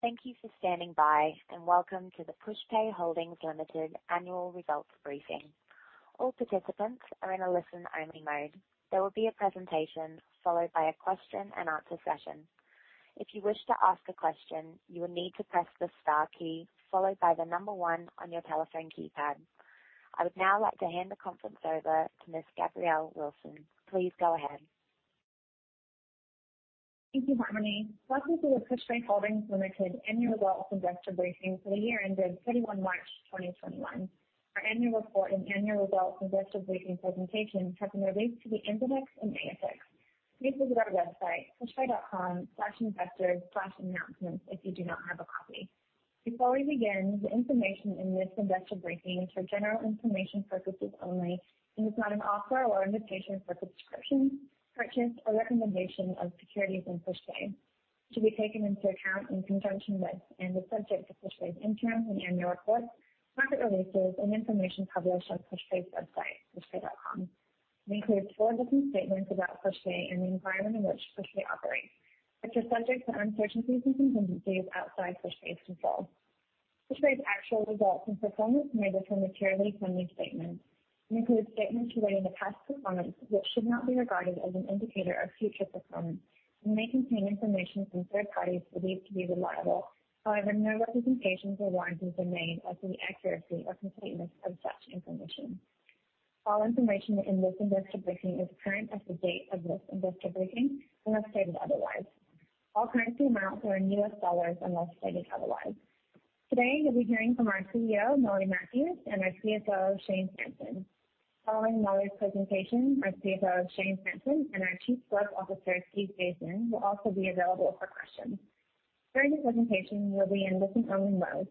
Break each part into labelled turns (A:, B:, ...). A: Thank you for standing by, and welcome to the Pushpay Holdings Limited annual results briefing. All participants are in a listen-only mode. There will be a presentation followed by a question and answer session. If you wish to ask a question, you will need to press the star key followed by the number one on your telephone keypad. I would now like to hand the conference over to Ms. Gabrielle Wilson. Please go ahead.
B: Thank you, Harmony. Welcome to the Pushpay Holdings Limited annual results investor briefing for the year ended 31 March 2021. Our annual report and annual results investor briefing presentation have been released to the NZX and ASX. Please visit our website, pushpay.com/investors/announcements if you do not have a copy. Before we begin, the information in this investor briefing is for general information purposes only and is not an offer or invitation for subscription, purchase, or recommendation of securities in Pushpay. It should be taken into account in conjunction with and is subject to Pushpay's interim and annual reports, press releases, and information published on Pushpay's website, pushpay.com. It includes forward-looking statements about Pushpay and the environment in which Pushpay operates, which are subject to uncertainties and contingencies outside Pushpay's control. Pushpay's actual results and performance may differ materially from these statements. It includes statements relating to past performance, which should not be regarded as an indicator of future performance, and may contain information from third parties believed to be reliable. No representations or warranties are made as to the accuracy or completeness of such information. All information in this investor briefing is current as the date of this investor briefing unless stated otherwise. All currency amounts are in US dollars unless stated otherwise. Today, you'll be hearing from our CEO, Molly Matthews, and our CFO, Shane Sampson. Following Molly's presentation, our CFO, Shane Sampson, and our Chief Growth Officer, Steve Basden, will also be available for questions. During the presentation, you will be in listen-only mode.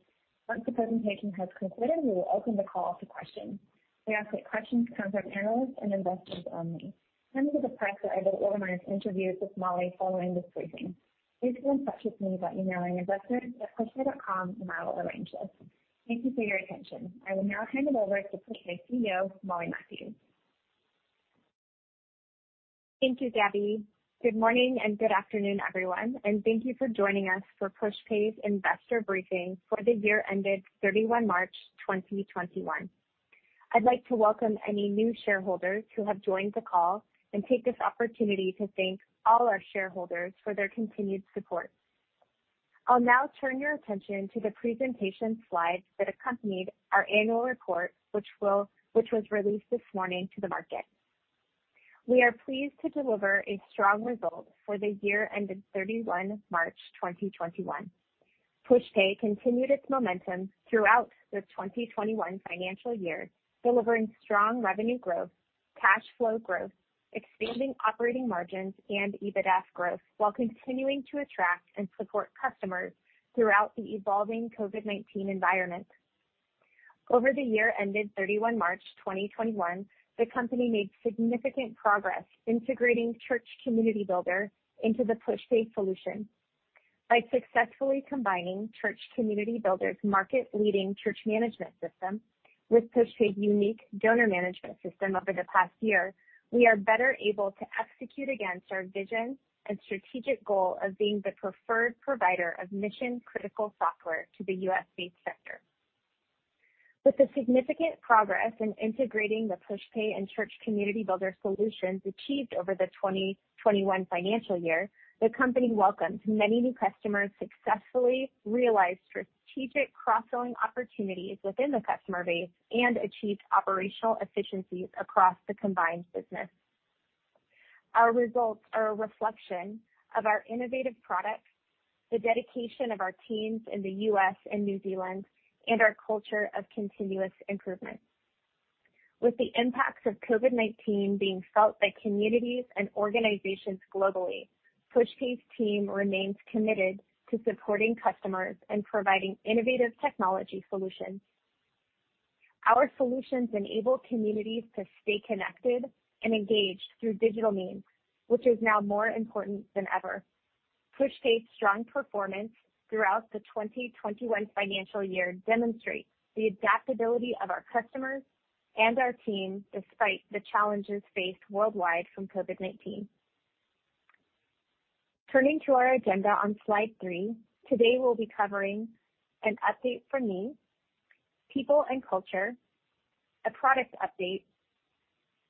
B: Once the presentation has concluded, we will open the call to questions. We ask that questions come from panelists and investors only. Members of the press that have organized interviews with Molly following this briefing, please be in touch with me by emailing investors@pushpay.com. I will arrange this. Thank you for your attention. I will now hand it over to Pushpay's CEO, Molly Matthews.
C: Thank you, Gabby. Good morning and good afternoon, everyone, and thank you for joining us for Pushpay's investor briefing for the year ended 31 March 2021. I'd like to welcome any new shareholders who have joined the call and take this opportunity to thank all our shareholders for their continued support. I'll now turn your attention to the presentation slides that accompanied our annual report, which was released this morning to the market. We are pleased to deliver a strong result for the year ended 31 March 2021. Pushpay continued its momentum throughout the 2021 financial year, delivering strong revenue growth, cash flow growth, expanding operating margins, and EBITDA growth while continuing to attract and support customers throughout the evolving COVID-19 environment. Over the year ended 31 March 2021, the company made significant progress integrating Church Community Builder into the Pushpay solution. By successfully combining Church Community Builder's market-leading Church Management System with Pushpay's Donor Management System over the past year, we are better able to execute against our vision and strategic goal of being the preferred provider of mission-critical software to the U.S. faith sector. With the significant progress in integrating the Pushpay and Church Community Builder solutions achieved over the 2021 financial year, the company welcomed many new customers, successfully realized strategic cross-selling opportunities within the customer base, and achieved operational efficiencies across the combined business. Our results are a reflection of our innovative products, the dedication of our teams in the U.S. and New Zealand, and our culture of continuous improvement. With the impacts of COVID-19 being felt by communities and organizations globally, Pushpay's team remains committed to supporting customers and providing innovative technology solutions. Our solutions enable communities to stay connected and engaged through digital means, which is now more important than ever. Pushpay's strong performance throughout the 2021 financial year demonstrates the adaptability of our customers and our team despite the challenges faced worldwide from COVID-19. Turning to our agenda on slide three, today we'll be covering an update from me, people and culture, a product update,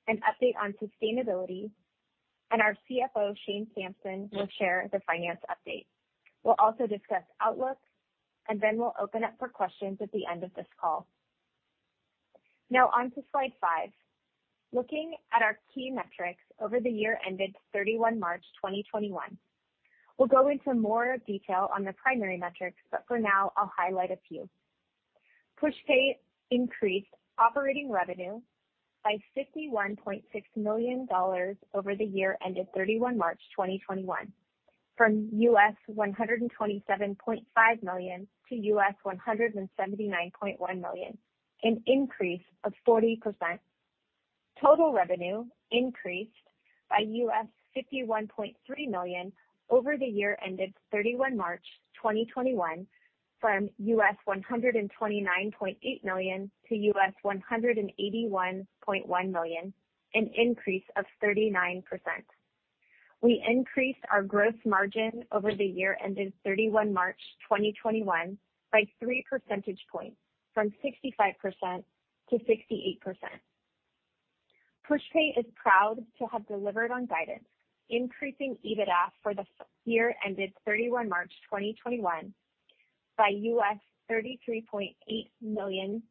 C: an update on sustainability, and our CFO, Shane Sampson, will share the finance update. We'll also discuss outlooks, and then we'll open up for questions at the end of this call. Now on to slide five. Looking at our key metrics over the year ended 31 March 2021. We'll go into more detail on the primary metrics, but for now, I'll highlight a few. Pushpay increased operating revenue by $51.6 million over the year ended 31 March 2021, from $127.5 million to $179.1 million, an increase of 40%. Total revenue increased by $51.3 million over the year ended 31 March 2021, from $129.8 million to $181.1 million, an increase of 39%. We increased our gross margin over the year ended 31 March 2021 by three percentage points from 65% to 68%. Pushpay is proud to have delivered on guidance, increasing EBITDA for the year ended 31 March 2021 by $33.8 million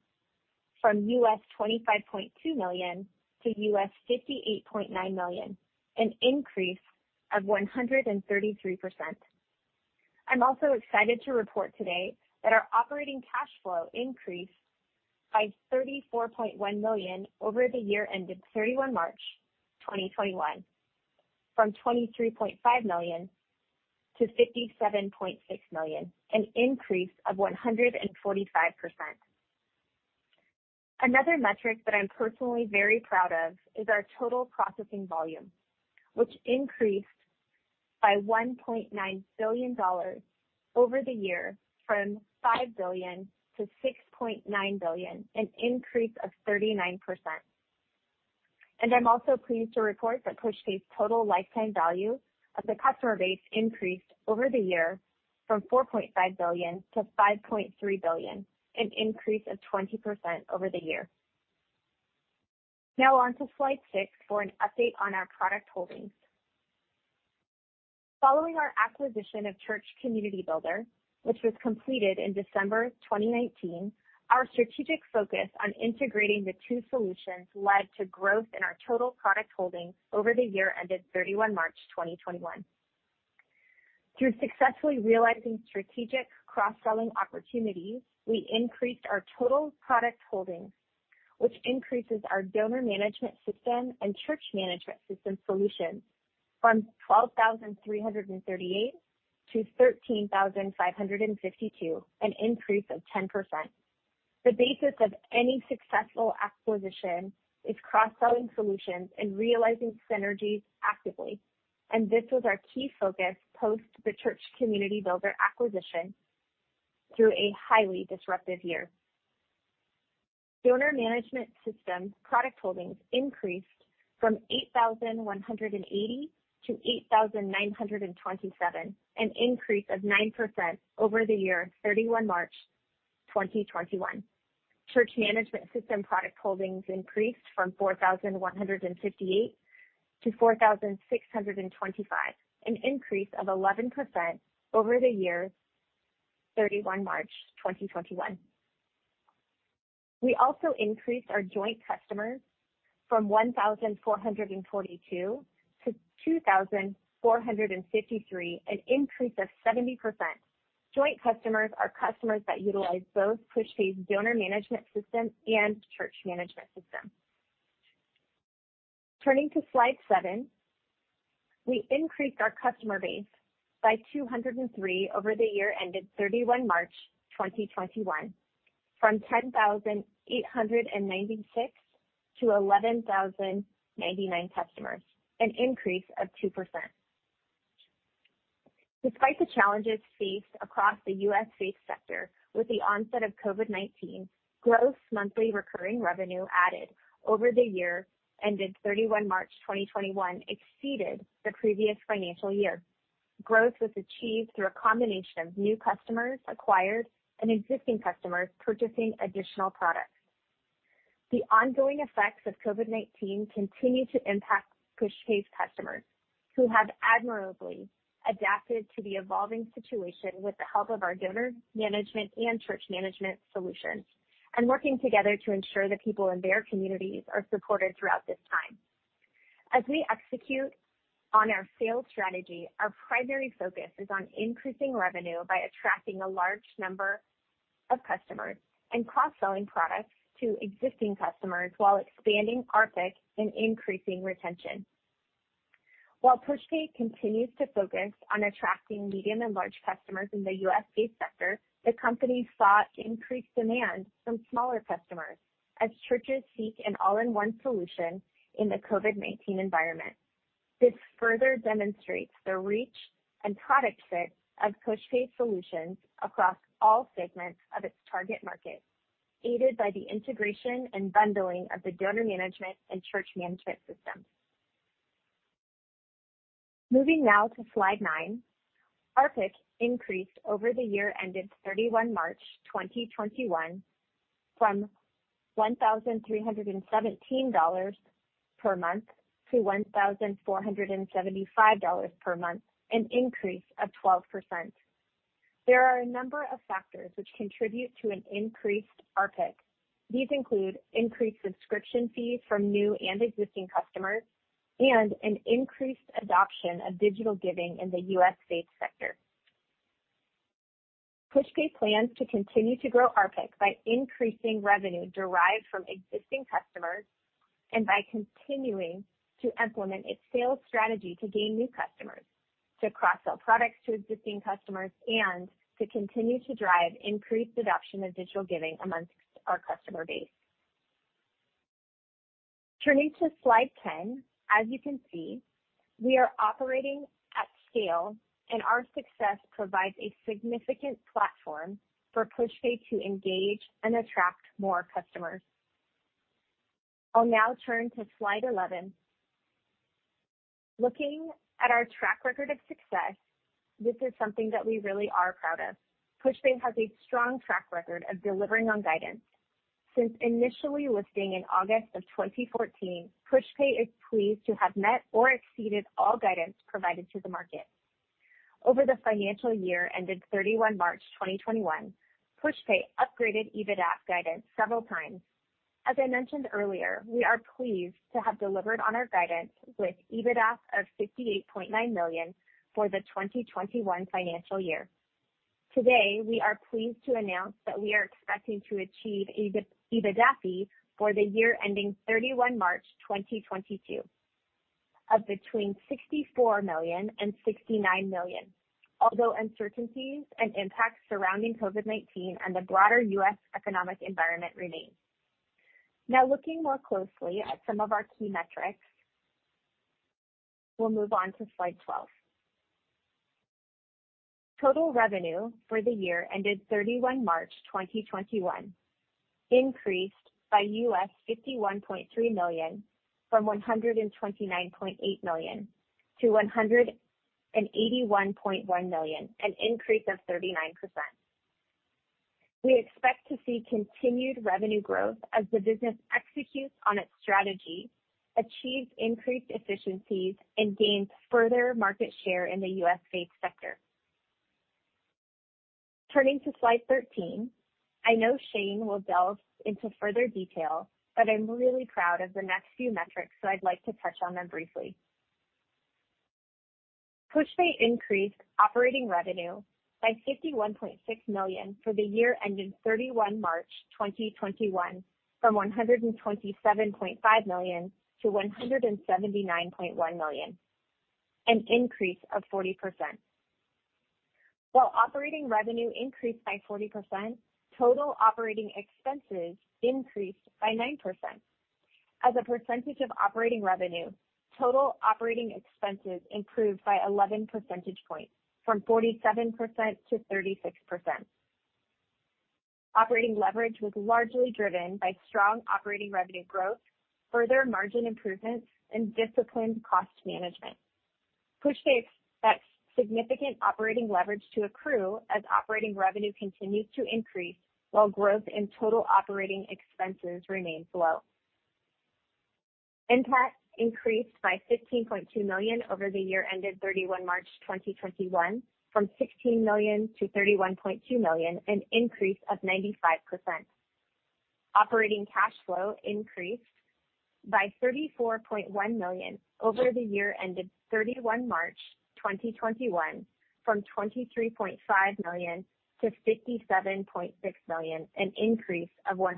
C: from $25.2 million to $58.9 million, an increase of 133%. I'm also excited to report today that our operating cash flow increased by $34.1 million over the year ended 31 March 2021, from $23.5 million to $57.6 million, an increase of 145%. Another metric that I'm personally very proud of is our total processing volume, which increased by $1.9 billion over the year from $5 billion to $6.9 billion, an increase of 39%. I'm also pleased to report that Pushpay's total lifetime value of the customer base increased over the year from $4.5 billion to $5.3 billion, an increase of 20% over the year. On to slide six for an update on our product holdings. Following our acquisition of Church Community Builder, which was completed in December 2019, our strategic focus on integrating the two solutions led to growth in our total product holdings over the year ended 31 March 2021. Through successfully realizing strategic cross-selling opportunities, we increased our total product holdings, which increases Donor Management system church management system solutions from 12,338 to 13,552, an increase of 10%. The basis of any successful acquisition is cross-selling solutions and realizing synergies actively, and this was our key focus post the Church Community Builder acquisition through a highly disruptive Donor Management system product holdings increased from 8,180 to 8,927, an increase of 9% over the year 31 March Church Management system product holdings increased from 4,158 to 4,625, an increase of 11% over the year 31 March 2021. We also increased our joint customers from 1,422 to 2,453, an increase of 70%. Joint customers are customers that utilize both Donor Management system church management system. turning to slide seven, we increased our customer base by 203 over the year ended 31 March 2021, from 10,896 to 11,099 customers, an increase of 2%. Despite the challenges faced across the U.S. faith sector with the onset of COVID-19, gross monthly recurring revenue added over the year ended 31 March 2021 exceeded the previous financial year. Growth was achieved through a combination of new customers acquired and existing customers purchasing additional products. The ongoing effects of COVID-19 continue to impact Pushpay's customers who have admirably adapted to the evolving situation with the help of our Donor Management and Church Management solutions and working together to ensure the people in their communities are supported throughout this time. As we execute on our sales strategy, our primary focus is on increasing revenue by attracting a large number of customers and cross-selling products to existing customers while expanding ARPC and increasing retention. While Pushpay continues to focus on attracting medium and large customers in the U.S. faith sector, the company saw increased demand from smaller customers as churches seek an all-in-one solution in the COVID-19 environment. This further demonstrates the reach and product fit of Pushpay solutions across all segments of its target market, aided by the integration and bundling of the Donor Management Church Management systems. moving now to slide nine. ARPC increased over the year ended 31 March 2021 from $1,317 per month to $1,475 per month, an increase of 12%. There are a number of factors that contribute to an increased ARPC. These include increased subscription fees from new and existing customers and an increased adoption of digital giving in the U.S. faith sector. Pushpay plans to continue to grow ARPC by increasing revenue derived from existing customers and by continuing to implement its sales strategy to gain new customers, to cross-sell products to existing customers, and to continue to drive increased adoption of digital giving amongst our customer base. Turning to slide 10. As you can see, we are operating at scale, and our success provides a significant platform for Pushpay to engage and attract more customers. I'll now turn to slide 11. Looking at our track record of success, this is something that we really are proud of. Pushpay has a strong track record of delivering on guidance. Since initially listing in August of 2014, Pushpay is pleased to have met or exceeded all guidance provided to the market. Over the financial year ended 31 March 2021, Pushpay upgraded EBITDAF guidance several times. As I mentioned earlier, we are pleased to have delivered on our guidance with EBITDAF of $58.9 million for the FY 2021. Today, we are pleased to announce that we are expecting to achieve EBITDAFI for the year ending 31 March 2022 of between $64 million and $69 million, although uncertainties and impacts surrounding COVID-19 and the broader U.S. economic environment remain. Looking more closely at some of our key metrics, we'll move on to slide 12. Total revenue for the year ended 31 March 2021 increased by $51.3 million from $129.8 million to $181.1 million, an increase of 39%. We expect to see continued revenue growth as the business executes on its strategy, achieves increased efficiencies, and gains further market share in the U.S. faith sector. Turning to slide 13. I know Shane will delve into further detail, but I'm really proud of the next few metrics, so I'd like to touch on them briefly. Pushpay increased operating revenue by $51.6 million for the year ended 31 March 2021, from $127.5 million to $179.1 million, an increase of 40%. While operating revenue increased by 40%, total operating expenses increased by 9%. As a percentage of operating revenue, total operating expenses improved by 11 percentage points, from 47% to 36%. Operating leverage was largely driven by strong operating revenue growth, further margin improvements, and disciplined cost management. Pushpay expects significant operating leverage to accrue as operating revenue continues to increase while growth in total operating expenses remains low. NPAT increased by $15.2 million over the year ended 31 March 2021, from $16 million to $31.2 million, an increase of 95%. Operating cash flow increased by $34.1 million over the year ended 31 March 2021, from $23.5 million to $57.6 million, an increase of 145%.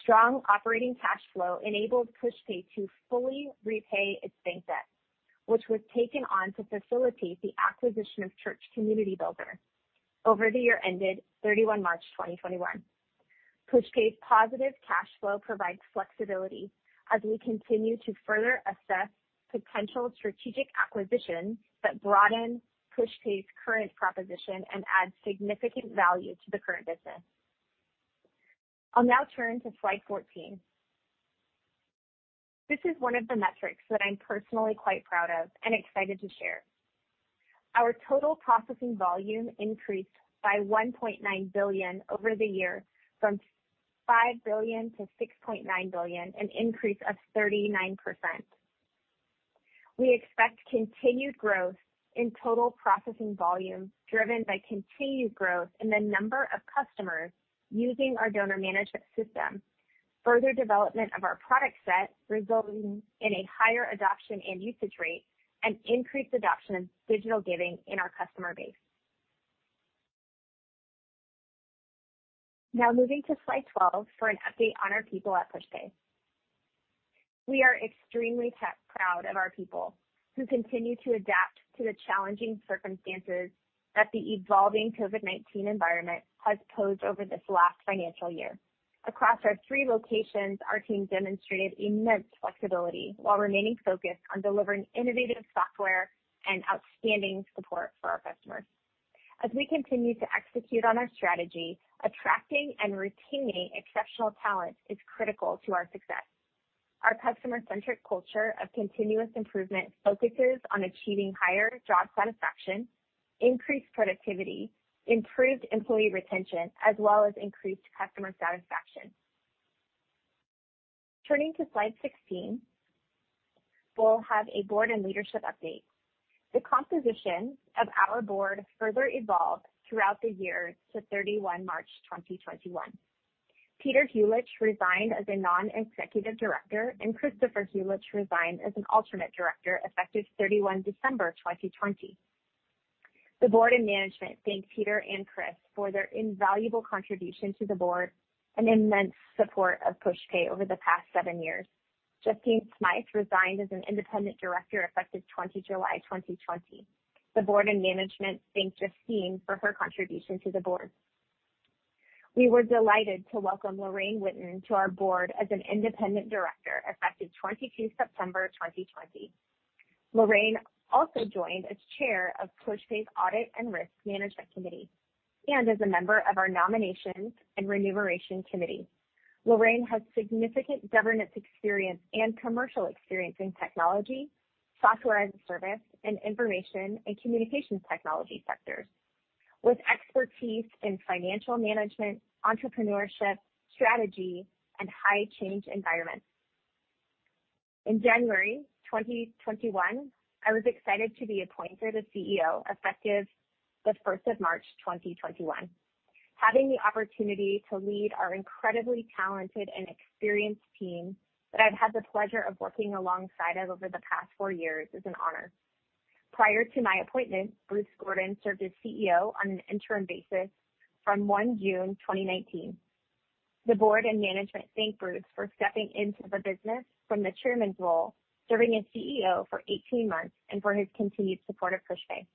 C: Strong operating cash flow enabled Pushpay to fully repay its bank debt, which was taken on to facilitate the acquisition of Church Community Builder over the year ended 31 March 2021. Pushpay's positive cash flow provides flexibility as we continue to further assess potential strategic acquisitions that broaden Pushpay's current proposition and add significant value to the current business. I'll now turn to slide 14. This is one of the metrics that I'm personally quite proud of and excited to share. Our total processing volume increased by $1.9 billion over the year, from $5 billion to $6.9 billion, an increase of 39%. We expect continued growth in total processing volume, driven by continued growth in the number of customers using Donor Management system, further development of our product set resulting in a higher adoption and usage rate, and increased adoption of digital giving in our customer base. Now moving to slide 12 for an update on our people at Pushpay. We are extremely proud of our people, who continue to adapt to the challenging circumstances that the evolving COVID-19 environment has posed over this last financial year. Across our three locations, our team demonstrated immense flexibility while remaining focused on delivering innovative software and outstanding support for our customers. As we continue to execute on our strategy, attracting and retaining exceptional talent is critical to our success. Our customer-centric culture of continuous improvement focuses on achieving higher job satisfaction, increased productivity, improved employee retention, as well as increased customer satisfaction. Turning to slide 16, we'll have a board and leadership update. The composition of our board further evolved throughout the year to 31 March 2021. Peter Huljich resigned as a Non-Executive Director, and Christopher Huljich resigned as an Alternate Director effective 31 December 2020. The board and management thank Peter and Chris for their invaluable contribution to the board and immense support of Pushpay over the past seven years. Justine Smyth resigned as an Independent Director effective 20 July 2020. The board and management thank Justine for her contribution to the board. We were delighted to welcome Lorraine Witten to our board as an Independent Director, effective 22 September 2020. Lorraine also joined as chair of Pushpay's Audit and Risk Management Committee and is a member of our Nominations and Remuneration Committee. Lorraine has significant governance experience and commercial experience in technology, software-as-a-service, and information and communications technology sectors, with expertise in financial management, entrepreneurship, strategy, and high change environments. In January 2021, I was excited to be appointed as CEO, effective the 1st of March 2021. Having the opportunity to lead our incredibly talented and experienced team that I've had the pleasure of working alongside of over the past four years is an honor. Prior to my appointment, Bruce Gordon served as CEO on an interim basis from 1 June 2019. The board and management thank Bruce for stepping into the business from the chairman's role, serving as CEO for 18 months, and for his continued support of Pushpay.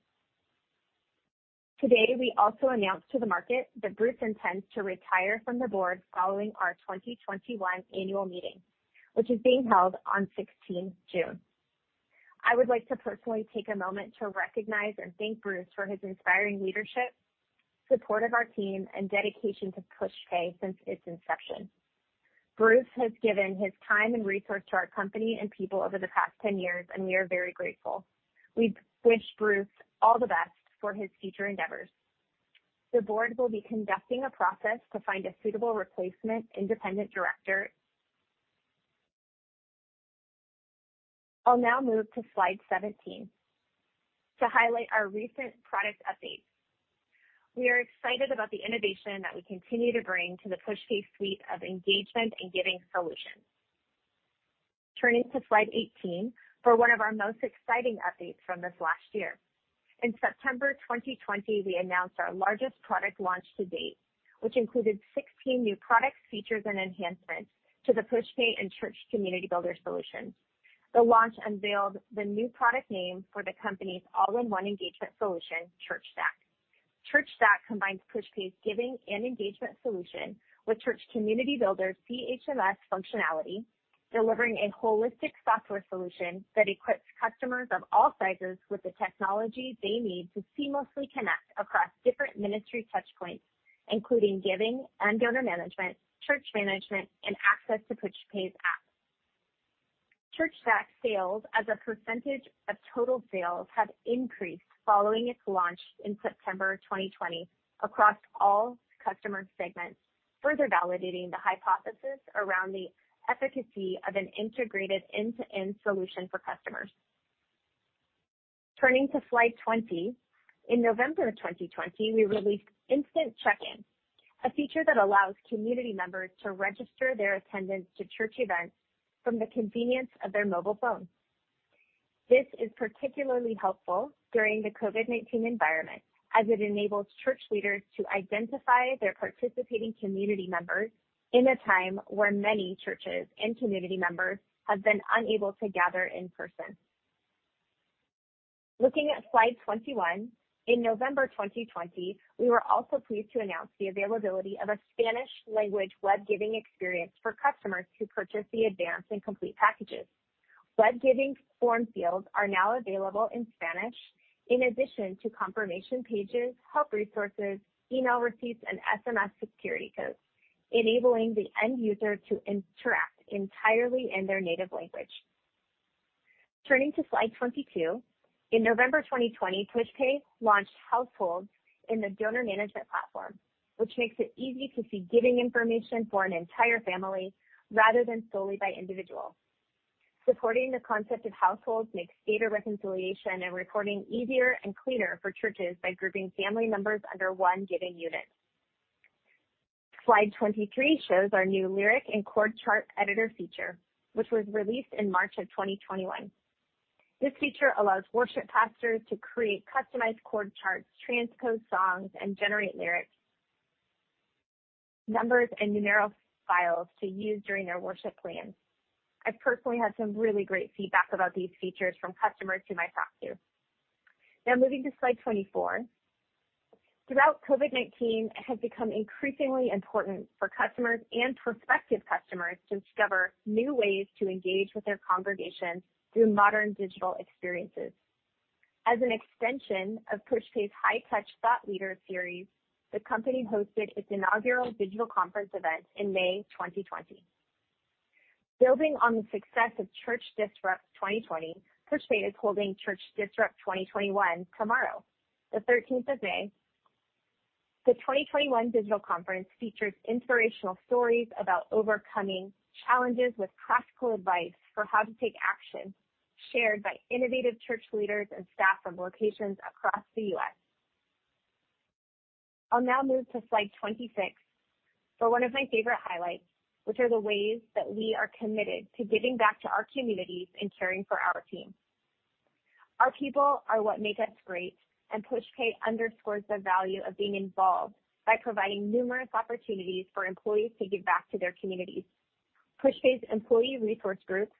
C: Today, we also announce to the market that Bruce intends to retire from the board following our 2021 annual meeting, which is being held on 16 June. I would like to personally take a moment to recognize and thank Bruce for his inspiring leadership, support of our team, and dedication to Pushpay since its inception. Bruce has given his time and resource to our company and people over the past 10 years, and we are very grateful. We wish Bruce all the best for his future endeavors. The board will be conducting a process to find a suitable replacement independent director. I'll now move to slide 17 to highlight our recent product updates. We are excited about the innovation that we continue to bring to the Pushpay suite of engagement and giving solutions. Turning to slide 18 for one of our most exciting updates from this last year. In September 2020, we announced our largest product launch to date, which included 16 new products, features, and enhancements to the Pushpay and Church Community Builder solutions. The launch unveiled the new product name for the company's all-in-one engagement solution, ChurchStaq. ChurchStaq combines Pushpay's giving and engagement solution with Church Community Builder's ChMS functionality, delivering a holistic software solution that equips customers of all sizes with the technology they need to seamlessly connect across different ministry touch points, including giving and Donor Management, Church Management, and access to Pushpay's app. ChurchStaq sales as a percentage of total sales have increased following its launch in September 2020 across all customer segments, further validating the hypothesis around the efficacy of an integrated end-to-end solution for customers. Turning to slide 20, in November of 2020, we released Instant Check-In, a feature that allows community members to register their attendance to church events from the convenience of their mobile phone. This is particularly helpful during the COVID-19 environment, as it enables church leaders to identify their participating community members in a time where many churches and community members have been unable to gather in person. Looking at slide 21, in November 2020, we were also pleased to announce the availability of a Spanish language web giving experience for customers who purchase the advanced and complete packages. Web giving form fields are now available in Spanish, in addition to confirmation pages, help resources, email receipts, and SMS security codes, enabling the end user to interact entirely in their native language. Turning to slide 22, in November 2020, Pushpay launched Households in the Donor Management platform, which makes it easy to see giving information for an entire family rather than solely by individual. Supporting the concept of Households makes data reconciliation and reporting easier and cleaner for churches by grouping family members under one giving unit. Slide 23 shows our new lyric and chord chart editor feature, which was released in March of 2021. This feature allows worship pastors to create customized chord charts, transpose songs, and generate lyrics, numbers, and numeral files to use during their worship plans. I've personally had some really great feedback about these features from customers whom I've talked to. Moving to slide 24. Throughout COVID-19, it has become increasingly important for customers and prospective customers to discover new ways to engage with their congregations through modern digital experiences. As an extension of Pushpay's high-touch thought leader series, the company hosted its inaugural digital conference event in May 2020. Building on the success of Church Disrupt 2020, Pushpay is holding Church Disrupt 2021 tomorrow, the 13th of May. The 2021 digital conference features inspirational stories about overcoming challenges with practical advice for how to take action, shared by innovative church leaders and staff from locations across the U.S. I'll now move to slide 26 for one of my favorite highlights, which are the ways that we are committed to giving back to our communities and caring for our team. Our people are what make us great. Pushpay underscores the value of being involved by providing numerous opportunities for employees to give back to their communities. Pushpay's employee resource groups,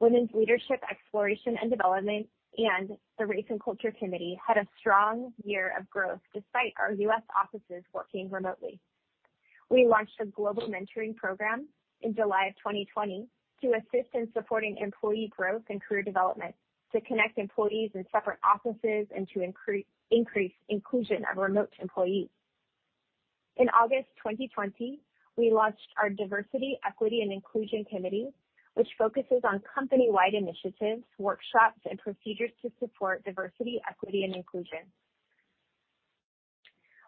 C: Women's Leadership Exploration and Development, and the Race and Culture Committee, had a strong year of growth despite our U.S. offices working remotely. We launched a global mentoring program in July 2020 to assist in supporting employee growth and career development, to connect employees in separate offices, and to increase inclusion of remote employees. In August 2020, we launched our Diversity, Equity, and Inclusion Committee, which focuses on company-wide initiatives, workshops, and procedures to support diversity, equity, and inclusion.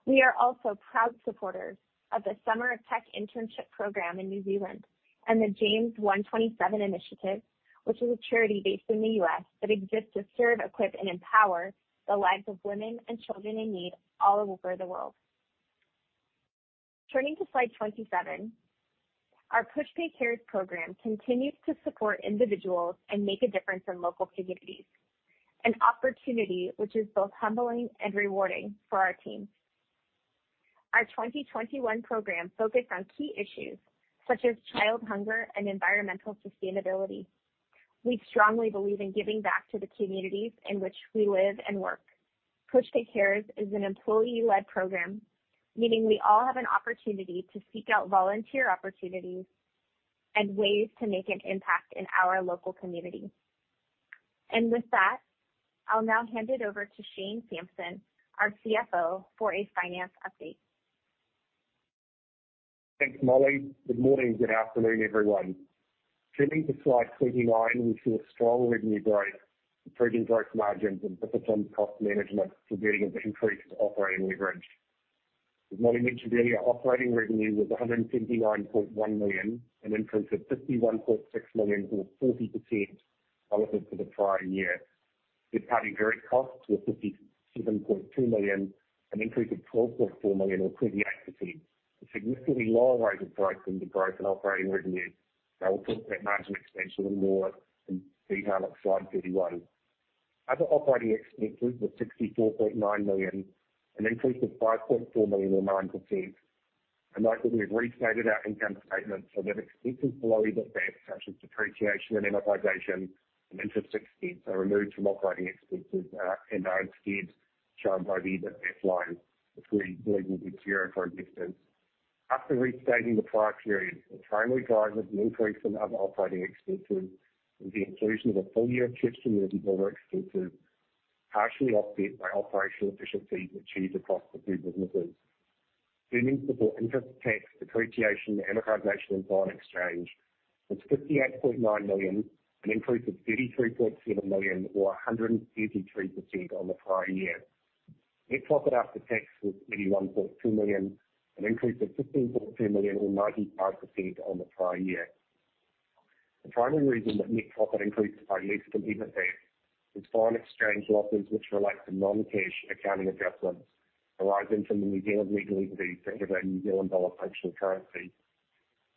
C: We are also proud supporters of the Summer of Tech internship program in New Zealand and the James 1:27 initiative, which is a charity based in the U.S. that exists to serve, equip, and empower the lives of women and children in need all over the world. Turning to slide 27. Our Pushpay Cares program continues to support individuals and make a difference in local communities, an opportunity which is both humbling and rewarding for our team. Our 2021 program focused on key issues such as child hunger and environmental sustainability. We strongly believe in giving back to the communities in which we live and work. Pushpay Cares is an employee-led program, meaning we all have an opportunity to seek out volunteer opportunities and ways to make an impact in our local community. With that, I'll now hand it over to Shane Sampson, our CFO, for a finance update.
D: Thanks, Molly. Good morning. Good afternoon, everyone. Turning to slide 29, we see a strong revenue growth, improved gross margins, and disciplined cost management contributing to increased operating leverage. As Molly mentioned earlier, operating revenue was $179.1 million, an increase of $51.6 million or 40% relative to the prior year. Third party direct costs were $57.2 million, an increase of $12.4 million or 28%, a significantly lower rate of growth than the growth in operating revenue. I will talk about management expense a little more in detail on slide 31. Other operating expenses was $64.9 million, an increase of $5.4 million or 9%. Like we've restated our income statement, so that expenses below EBIT, such as depreciation, amortization, and interest expense are removed from operating expenses and are instead shown by the EBIT line, [which we will compare for a distance.] After restating the prior period, the primary drivers of increase in other operating expenses was the inclusion of a full year of Church Community Builder expenses, partially offset by operational efficiencies achieved across the two businesses. Earnings before interest, tax, depreciation, amortization, and foreign exchange was $58.9 million, an increase of $33.7 million or 133% on the prior year. Net profit after tax was $31.2 million, an increase of $15.2 million or 95% on the prior year. The primary reason that net profit increased by less than EBIT is foreign exchange losses, which relate to non-cash accounting adjustments arising from the New Zealand legal entity set of our New Zealand dollar functional currency.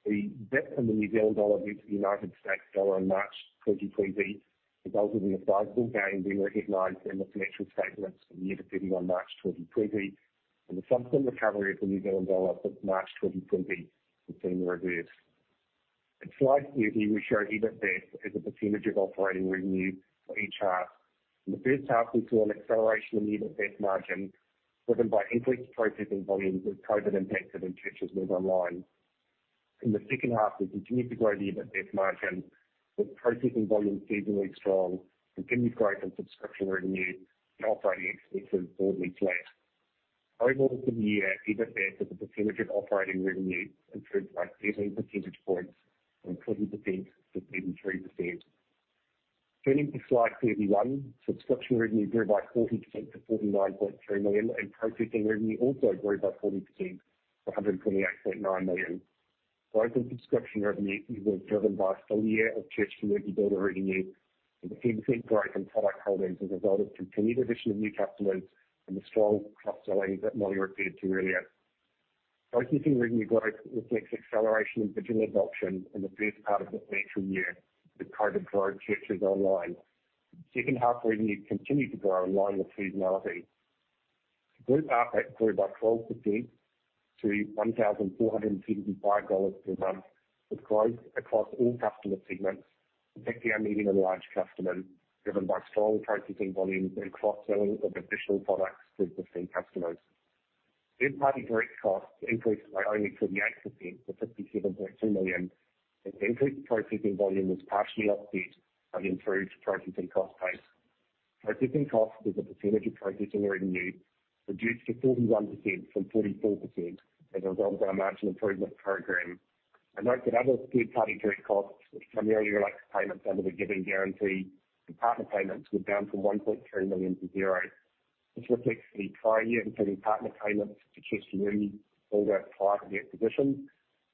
D: The dip in the New Zealand dollar against the United States dollar in March 2020 resulted in a sizable gain being recognized in the financial statements for the year ending on March 2020. The subsequent recovery of the New Zealand dollar since March 2020 has been reversed. In slide 30, we show EBITDAF as a percentage of operating revenue for each half. In the first half, we saw an acceleration of EBITDAF margin, driven by increased processing volumes with COVID impacting on churches moving online. In the second half, we continued to grow the EBITDAF margin, with processing volumes seasonally strong, continued growth in subscription revenue, and operating expenses broadly flat. Over the course of the year, EBITDAF as a percentage of operating revenue improved by 13 percentage points from 20% to 33%. Turning to slide 31, subscription revenue grew by 40% to $49.3 million. Processing revenue also grew by 40% to $128.9 million. Growth in subscription revenue was driven by a full year of Church Community Builder revenue and 15% growth in product holdings as a result of continued addition of new customers and the strong cross-selling that Molly referred to earlier. Processing revenue growth reflects acceleration of digital adoption in the first part of the financial year with COVID driving churches online. Second half revenue continued to grow aligned with seasonality. Group ARPC grew by 12% to $1,475 per month, with growth across all customer segments, particularly our medium and large customers, driven by strong processing volumes and cross-selling of additional products to existing customers. Third party direct costs increased by only 28% to $57.2 million. This increased processing volume was partially offset by improved processing cost base. Processing cost as a percentage of processing revenue reduced to 41% from 44% as a result of our margin improvement program. I note that other third party direct costs, which primarily relates to payments under the giving guarantee and partner payments, were down from $1.3 million to zero. This reflects the prior year payment partner payments to Church Community Builder prior to their acquisition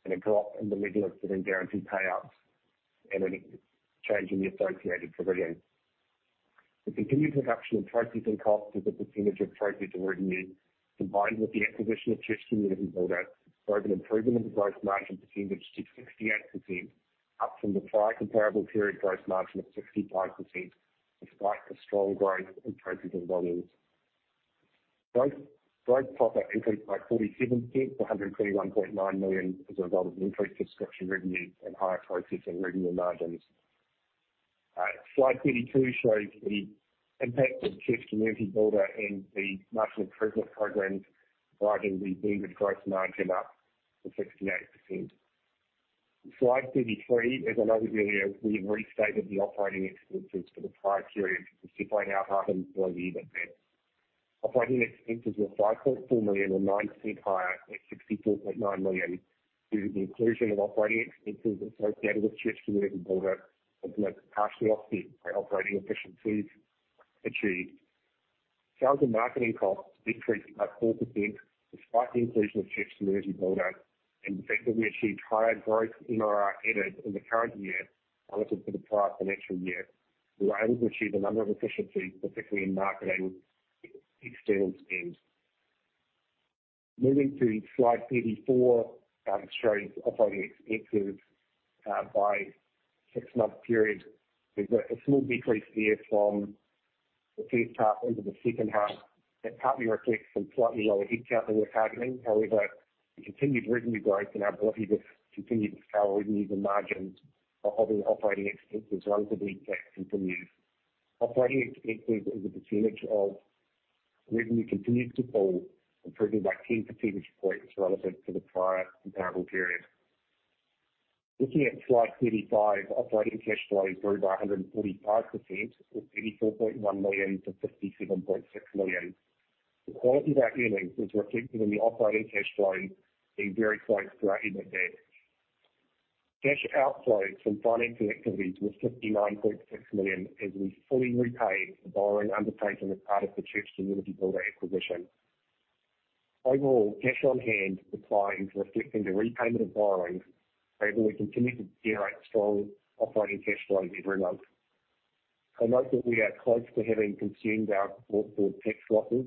D: and a drop in the [middle of guarantee] payouts and a change in the associated provision. The continued reduction in processing costs as a percentage of processing revenue, combined with the acquisition of Church Community Builder, drove an improvement in the gross margin percentage to 68% up from the prior comparable period gross margin of 65%, despite the strong growth in processing volumes. Gross profit increased by 47% to $121.9 million as a result of increased subscription revenue and higher processing revenue margins. Slide 32 shows the impact of Church Community Builder and the marginal improvement programs driving the weighted gross margin up to 68%. Slide 33, as I noted earlier, we have restated the operating expenses for the prior period to reflect our half and full year EBITDAF. Operating expenses were $5.4 million or 9% higher at $64.9 million, due to the inclusion of operating expenses associated with Church Community Builder, of which partially offset by operating efficiencies achieved. Sales and marketing costs increased by 4% despite the inclusion of Church Community Builder and the fact that we achieved higher gross MRR added in the current year versus the prior financial year. We were able to achieve a number of efficiencies, particularly in marketing expense spend. Moving to slide 34, it shows operating expenses by six-month periods. There is a small decrease here from the first half into the second half. That partly reflects some slightly lower headcount we were targeting. However, the continued revenue growth in our business continued to scale revenues and margins while holding operating expenses relatively flat from last year. Operating expenses as a percentage of revenue continued to fall, improving by 10 percentage points relative to the prior comparable period. Looking at slide 35, operating cash flow grew by 145% from $34.1 million to $57.6 million. The quality of our earnings is reflected in the operating cash flow being very close to our EBITDAF. Cash outflows from financing activities was $69.6 million as we fully repaid the borrowing undertaken as part of the Church Community Builder acquisition. Overall, cash on hand declines reflecting the repayment of borrowings. However, we continue to generate strong operating cash flows every month. I note that we are close to having consumed our support for tax losses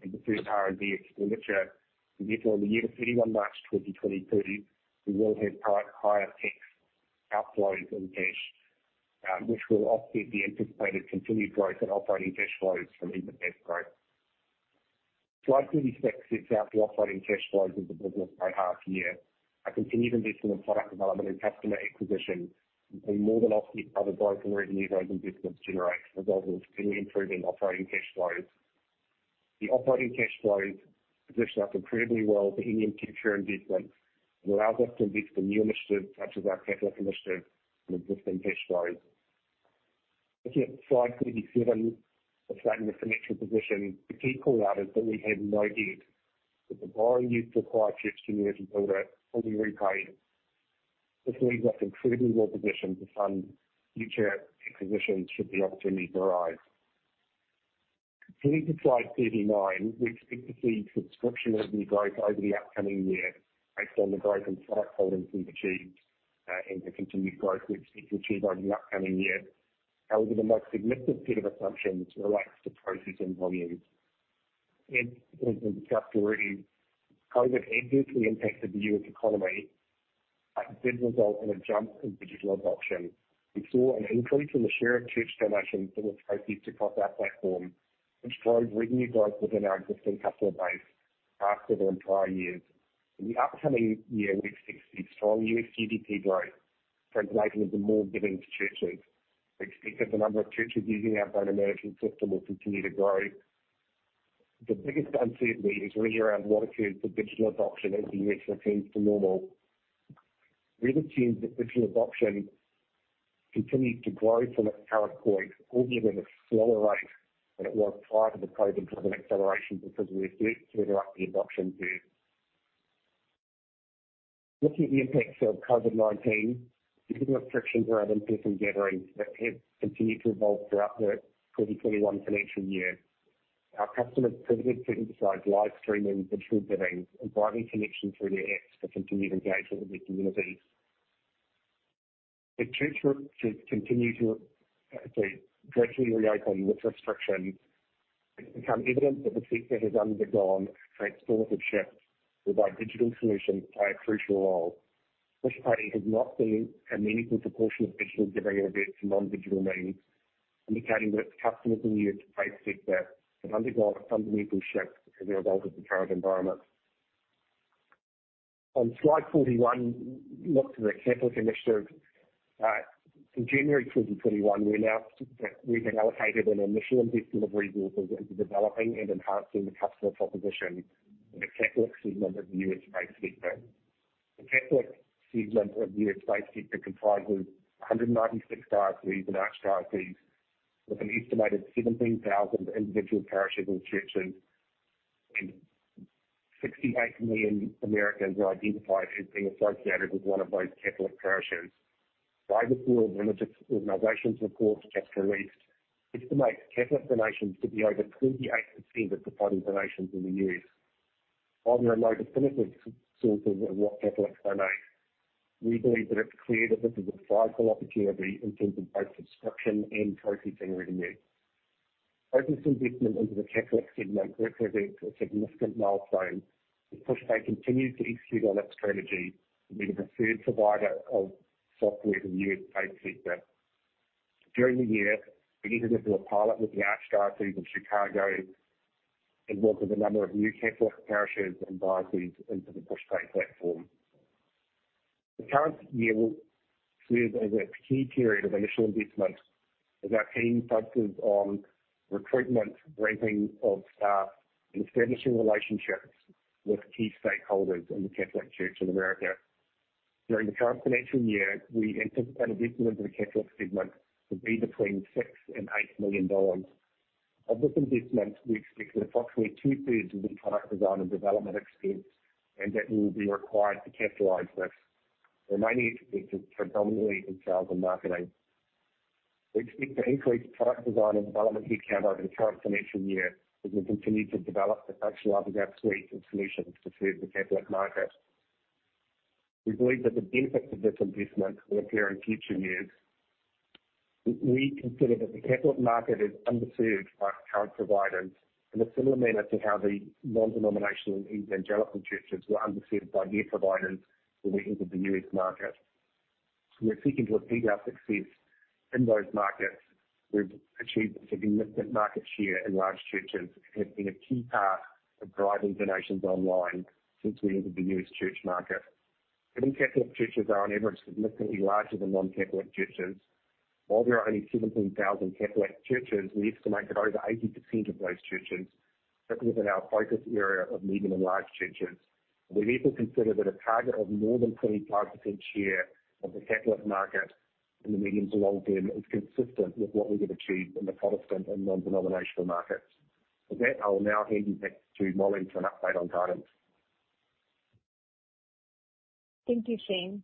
D: and deferred R&D expenditure. Therefore, in the year to 31 March 2023, we will have higher tax outflows on cash, which will offset the anticipated continued growth in operating cash flows from EBITDAF growth. Slide 36 sets out the operating cash flows of the business by half year. A continued investment in product development and customer acquisition has been more than offset by the growth in revenue the growing business generates, as well as continuing improving operating cash flows. The operating cash flows position us incredibly well for any future investments and allows us to invest in new initiatives such as our Catholic Initiative from existing cash flows. Looking at slide 37, reflecting the financial position. The key call out is that we have no debt, with the borrowing used for prior Church Community Builder fully repaid. This leaves us incredibly well positioned to fund future acquisitions should the opportunity arise. Turning to slide 39, we expect to see subscription revenue growth over the upcoming year based on the growth in product holdings we've achieved and the continued growth we expect to achieve over the upcoming year. However, the most significant set of assumptions relates to processing volumes. As discussed already, COVID adversely impacted the U.S. economy, but did result in a jump in digital adoption. We saw an increase in the share of church donations that were processed across our platform, which drove revenue growth within our existing customer base after the entire year. In the upcoming year, we expect to see strong U.S. GDP growth, translating into more giving to churches. We expect that the number of churches using our online giving system will continue to grow. The biggest uncertainty is really around what occurs with digital adoption as the U.S. returns to normal. We assume that digital adoption continues to grow from its current point, although at a slower rate than it was prior to the COVID-driven acceleration because we're a bit further up the adoption curve. Looking at the impacts of COVID-19, the physical restrictions around in-person gatherings that have continued to evolve throughout the 2021 financial year. Our customers quickly turned to live streaming virtual givings and providing connection through their apps to continue to engage with their communities. As churches continue to gradually reopen with restrictions, it's become evident that the sector has undergone transformative shifts with our digital solutions playing a crucial role. Pushpay has not seen a meaningful proportion of digital giving [events in] non-digital means, indicating that customers and user base sector have undergone a fundamental shift as a result of the current environment. On slide 41, looking at the Catholic Initiative. In January 2021, we announced that we had allocated an initial investment of resources into developing and enhancing the customer proposition in the Catholic segment of the U.S.-based sector. The Catholic segment of the U.S.-based sector comprises 196 dioceses and archdioceses with an estimated 17,000 individual parishes and churches, and 68 million Americans are identified as being associated with one of those Catholic parishes. [By the pool of religious] organizations report just released estimates Catholic donations to be over 28% of the total donations in the U.S. While we are a relatively small source of what Catholics donate, we believe that it's clear that this is a sizable opportunity in terms of both subscription and processing revenue. [Open investment] into the Catholic segment represents a significant milestone as Pushpay continues to execute on its strategy of being the preferred provider of software to the U.S. faith sector. During the year, we entered into a pilot with the Archdiocese of Chicago and welcomed a number of new Catholic parishes and dioceses into the Pushpay platform. The current year will serve as a key period of initial investment, with our team focused on recruitment, ramping of staff, and establishing relationships with key stakeholders in the Catholic Church in America. During the current financial year, we anticipate investment in the Catholic segment to be between $6 million and $8 million. Of this investment, we expect that approximately 2/3 will be product design and development expense, and that will be required to capitalize this. The remaining expense is predominantly in sales and marketing. We expect to increase product design and development headcount over the current financial year as we continue to develop and actualize our suite of solutions to serve the Catholic market. We believe that the benefits of this investment will appear in future years. We consider that the Catholic market is underserved by current providers in a similar manner to how the non-denominational and evangelical churches were underserved by their providers when we entered the U.S. market. We are seeking to repeat our success in those markets. We've achieved significant market share in large churches, and have been a key part of driving donations online since we entered the U.S. church market. Many Catholic churches are on average significantly larger than non-Catholic churches. While there are only 17,000 Catholic churches, we estimate that over 80% of those churches sit within our focus area of medium and large churches. We therefore consider that a target of more than 25% share of the Catholic market in the medium to long term is consistent with what we have achieved in the Protestant and non-denominational markets. With that, I will now hand you back to Molly for an update on guidance.
C: Thank you, Shane.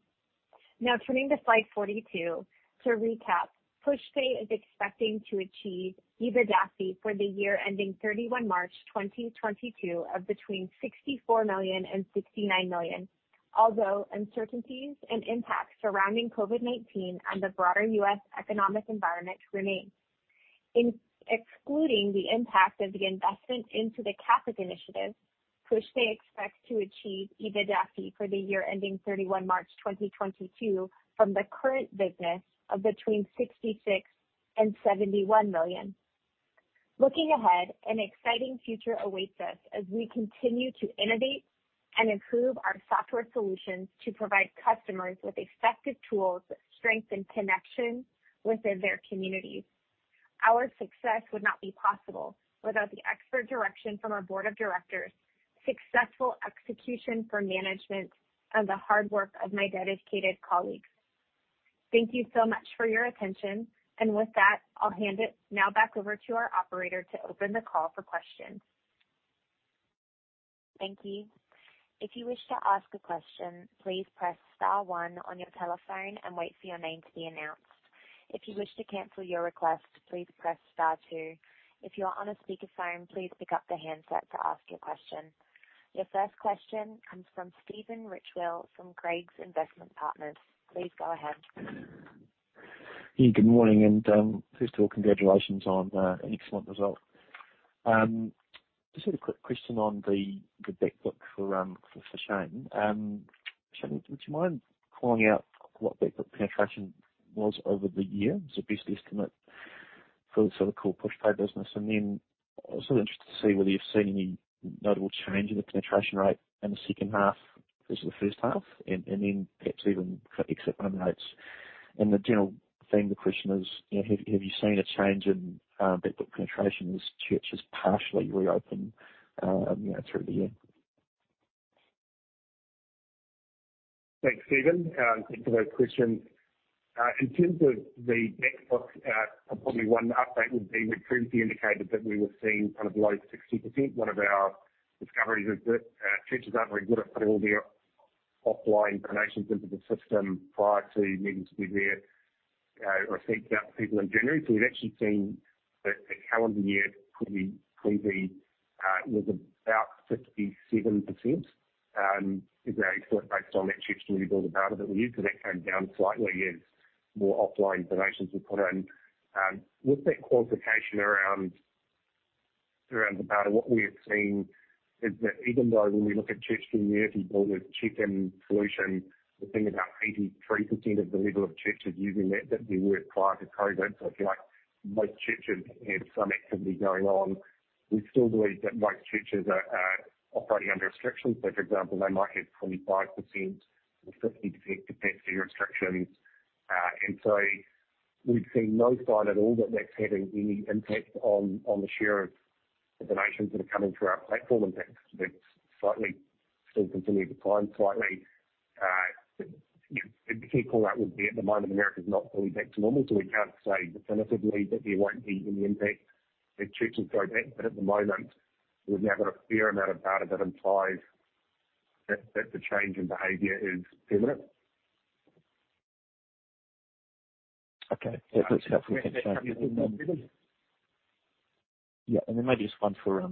C: Now turning to slide 42. To recap, Pushpay is expecting to achieve EBITDAFI for the year ending 31 March 2022 of between $64 million and $69 million. Although uncertainties and impacts surrounding COVID-19 and the broader U.S. economic environment remain. Excluding the impact of the investment into the Catholic Initiative, Pushpay expects to achieve EBITDAFI for the year ending 31 March 2022 from the current business of between $66 million and $71 million. Looking ahead, an exciting future awaits us as we continue to innovate and improve our software solutions to provide customers with effective tools that strengthen connection within their communities. Our success would not be possible without the expert direction from our board of directors, successful execution from management, and the hard work of my dedicated colleagues. Thank you so much for your attention. With that, I'll hand it now back over to our operator to open the call for questions.
A: Thank you. If you wish to ask a question please press star one on your telephone and wait for your name to be announced. If you wish to cancel your request, please press star two. If you are on a speakerphone please pick up the handset to ask your question. Your first question comes from Stephen Ridgewell from Craigs Investment Partners. Please go ahead.
E: Yeah, good morning, first of all, congratulations on an excellent result. Just had a quick question on the back book for Shane. Shane, would you mind calling out what back book penetration was over the year as a best estimate for the core Pushpay business? Also interested to see whether you've seen any notable change in the penetration rate in the second half versus the first half, and then perhaps even for exit run rates. The general theme of the question is, have you seen a change in back book penetration as churches partially reopen through the year?
D: Thanks, Stephen. Thanks for those questions. In terms of the back book, probably one update would be we previously indicated that we were seeing kind of low 60%. One of our discoveries is that churches aren't very good at putting all their offline donations into the system prior to needing to be there or think about people individually. We've actually seen that the calendar year could be, was about 57%, is our estimate based on that Church Community Builder data that we use. That came down slightly as more offline donations were put in. With that qualification around the data, what we have seen is that even though when we look at Church Community Builder's check-in solution, we're seeing about 83% of the level of churches using that we were prior to COVID. I feel like most churches have some activity going on. We still believe that most churches are operating under restrictions. For example, they might have 25% or 50%, depending on their restrictions. We've seen no sign at all that that's having any impact on the share of donations that are coming through our platform. In fact, that's slightly still continuing to climb slightly. The key call-out would be at the moment America's not fully back to normal, so we can't say definitively that there won't be any impact if churches go back. At the moment, we've now got a fair amount of data that implies that the change in behavior is permanent.
E: Okay. That's helpful. Thanks, Shane. Yeah. Maybe just one for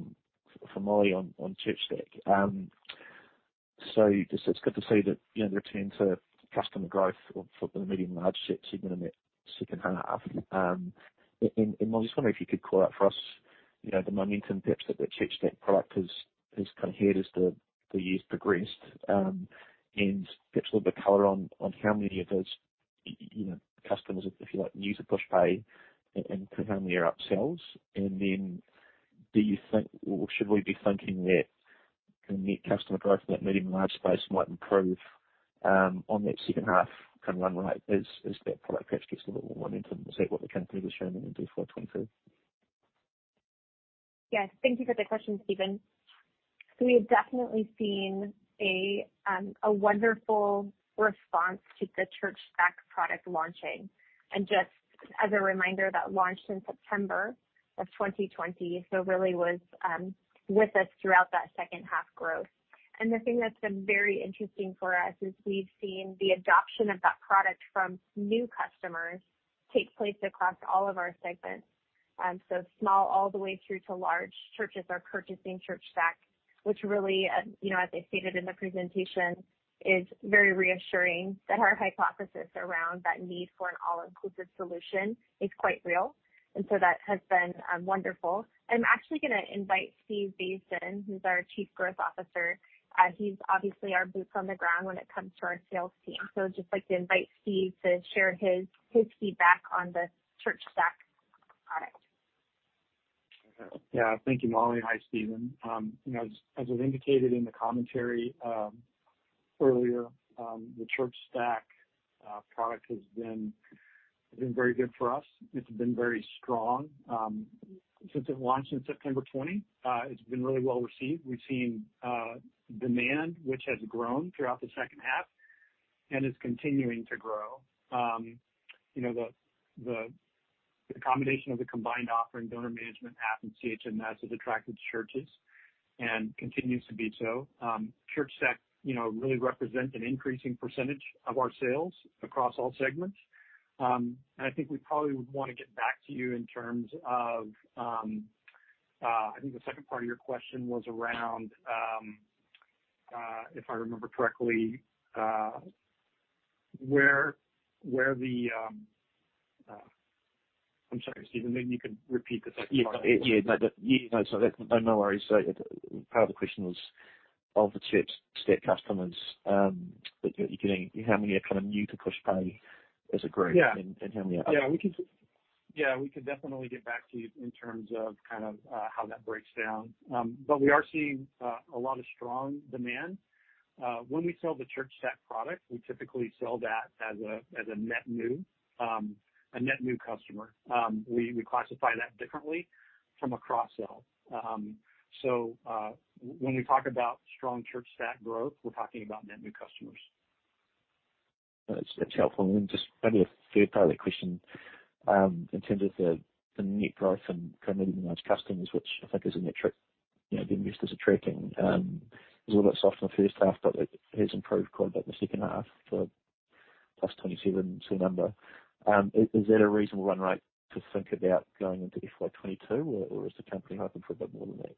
E: Molly on ChurchStaq. Just it's good to see that return to customer growth for the medium large set segment in that second half. I'm just wondering if you could call out for us the momentum, perhaps, that ChurchStaq product has kind of hit as the years progressed and perhaps a little bit color on how many of those customers, if you like, new to Pushpay and how many are upsells, and then do you think or should we be thinking that net customer growth in that medium large space might improve on that second half run rate as that product perhaps gets a little more momentum? Is that what the company was showing in FY 2022?
C: Yes, thank you for the question, Stephen. We have definitely seen a wonderful response to the ChurchStaq product launching. Just as a reminder, that launched in September of 2020, so really was with us throughout that second half growth. The thing that's been very interesting for us is we've seen the adoption of that product from new customers take place across all of our segments. Small all the way through to large churches are purchasing ChurchStaq, which really, as I stated in the presentation, is very reassuring that our hypothesis around that need for an all-inclusive solution is quite real. That has been wonderful. I'm actually going to invite Steve Basden in, who's our Chief Growth Officer. He's obviously our boots on the ground when it comes to our sales team. Just like to invite Steve to share his feedback on the ChurchStaq product.
F: Yeah. Thank you, Molly. Hi, Stephen. As I've indicated in the commentary earlier, the ChurchStaq product has been very good for us. It's been very strong since it launched in September 2020. It's been really well received. We've seen demand which has grown throughout the second half and is continuing to grow. The combination of the combined offering, Donor Management app and ChMS, has attracted churches and continues to be so. ChurchStaq really represent an increasing percentage of our sales across all segments. I think we probably would want to get back to you. I think the second part of your question was around, if I remember correctly. I'm sorry, Stephen, maybe you could repeat the second part.
E: Yeah. No, sorry. No worries. Part of the question was of the ChurchStaq customers that you're getting, how many are kind of new to Pushpay as a group.
F: Yeah.
E: How many?
F: We could definitely get back to you in terms of how that breaks down. We are seeing a lot of strong demand. When we sell the ChurchStaq product, we typically sell that as a net new customer. We classify that differently from a cross-sell. When we talk about strong ChurchStaq growth, we're talking about net new customers.
E: That's helpful. Just maybe a third part of that question, in terms of the net growth in medium and large customers, which I think is a metric the investors are tracking. It was a little bit soft in the first half, but it has improved quite a bit in the second half, the +27% number. Is that a reasonable run rate to think about going into FY 2022, or is the company hoping for a bit more than that?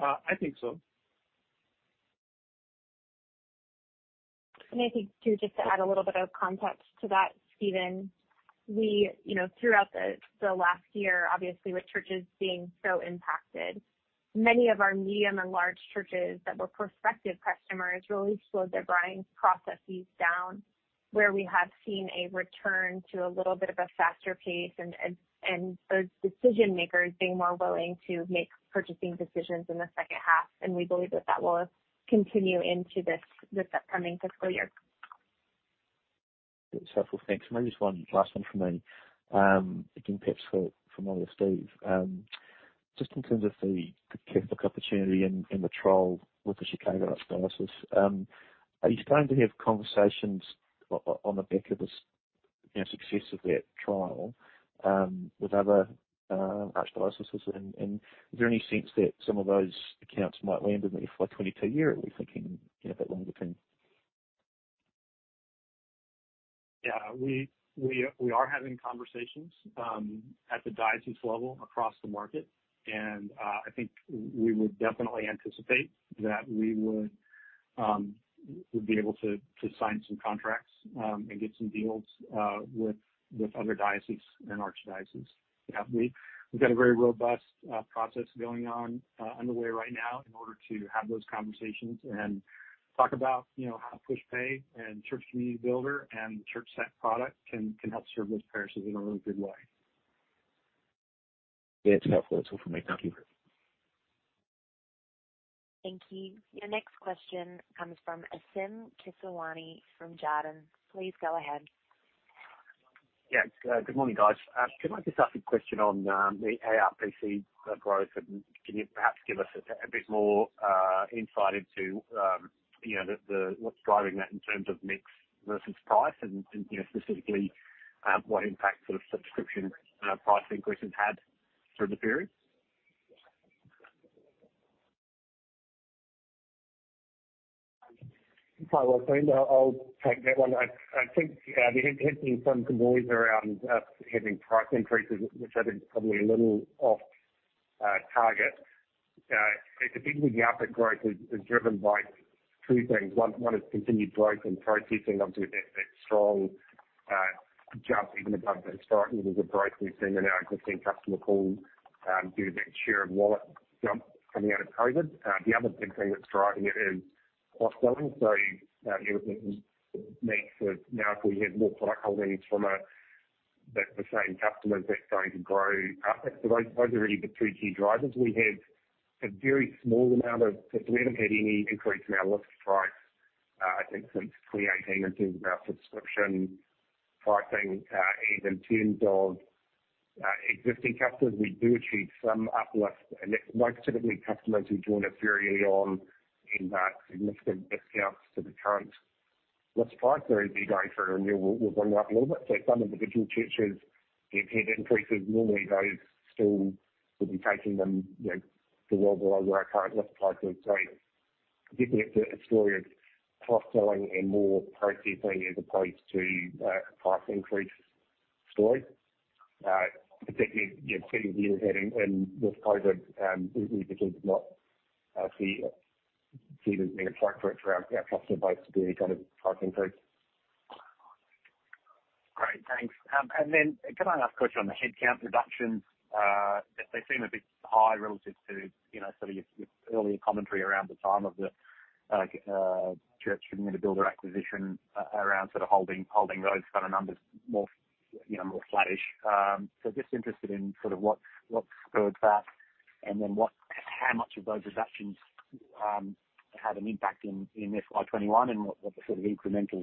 F: I think so.
C: I think, too, just to add a little bit of context to that, Stephen, we throughout the last year, obviously with churches being so impacted, many of our medium and large churches that were prospective customers really slowed their buying processes down, where we have seen a return to a little bit of a faster pace and those decision makers being more willing to make purchasing decisions in the second half, and we believe that that will continue into this upcoming fiscal year.
E: That's helpful. Thanks. Maybe just one last one from me. Perhaps for Molly or Steve. In terms of the Catholic opportunity and the trial with the Chicago Archdiocese. Are you starting to have conversations on the back of the success of that trial with other archdioceses, and is there any sense that some of those accounts might land in the FY 2022 year? Are we thinking a bit longer term?
F: Yeah, we are having conversations at the diocese level across the market, and I think we would definitely anticipate that we'll be able to sign some contracts and get some deals with other diocese and archdioceses. Yeah, we've got a very robust process going on underway right now in order to have those conversations and talk about how Pushpay and Church Community Builder and ChurchStaq product can help serve those parishes in a really good way.
E: Yeah, that's helpful. That's all from me. Thank you.
A: Thank you. Your next question comes from Wassim Kisirwani from Jarden. Please go ahead.
G: Good morning, guys. Can I just ask a question on the ARPC growth, and can you perhaps give us a bit more insight into what's driving that in terms of mix versus price and specifically what impact subscription price increases had through the period?
D: Hi, Wassim, I'll take that one. I think there has been some conversations around us having price increases, which I think is probably a little off target. I think the uptick growth is driven by two things. One is continued growth and processing onto that strong jump even above historically was a growth we've seen in our existing customer pool due to that share of wallet jump coming out of COVID. The other big thing that's driving it is cross-selling. It means that now if we have more product holdings from the same customers, that's going to grow. Those are really the two key drivers. We haven't had any increase in our list price, I think since 2018 in terms of our subscription pricing. Even in terms of existing customers, we do achieve some uplift. That's most typically customers who joined us very early on in significant discounts to the current list price. As they go for a renewal, we'll run it up a little bit. Some individual churches, if we had increases, normally those still would be taking them below where our current list price is. Definitely it's a story of cross-selling and more processing as opposed to a price increase story. Particularly seeing where we were heading in this COVID, we've chosen not to even apply for it for our customer base to do any kind of price increase.
G: Great. Thanks. Then could I ask a question on the headcount reductions? They seem a bit high relative to your earlier commentary around the time of the Church Community Builder acquisition around holding those kind of numbers more flattish. Just interested in sort of what spurred that and then how much of those reductions had an impact in FY 2021 and what the sort of incremental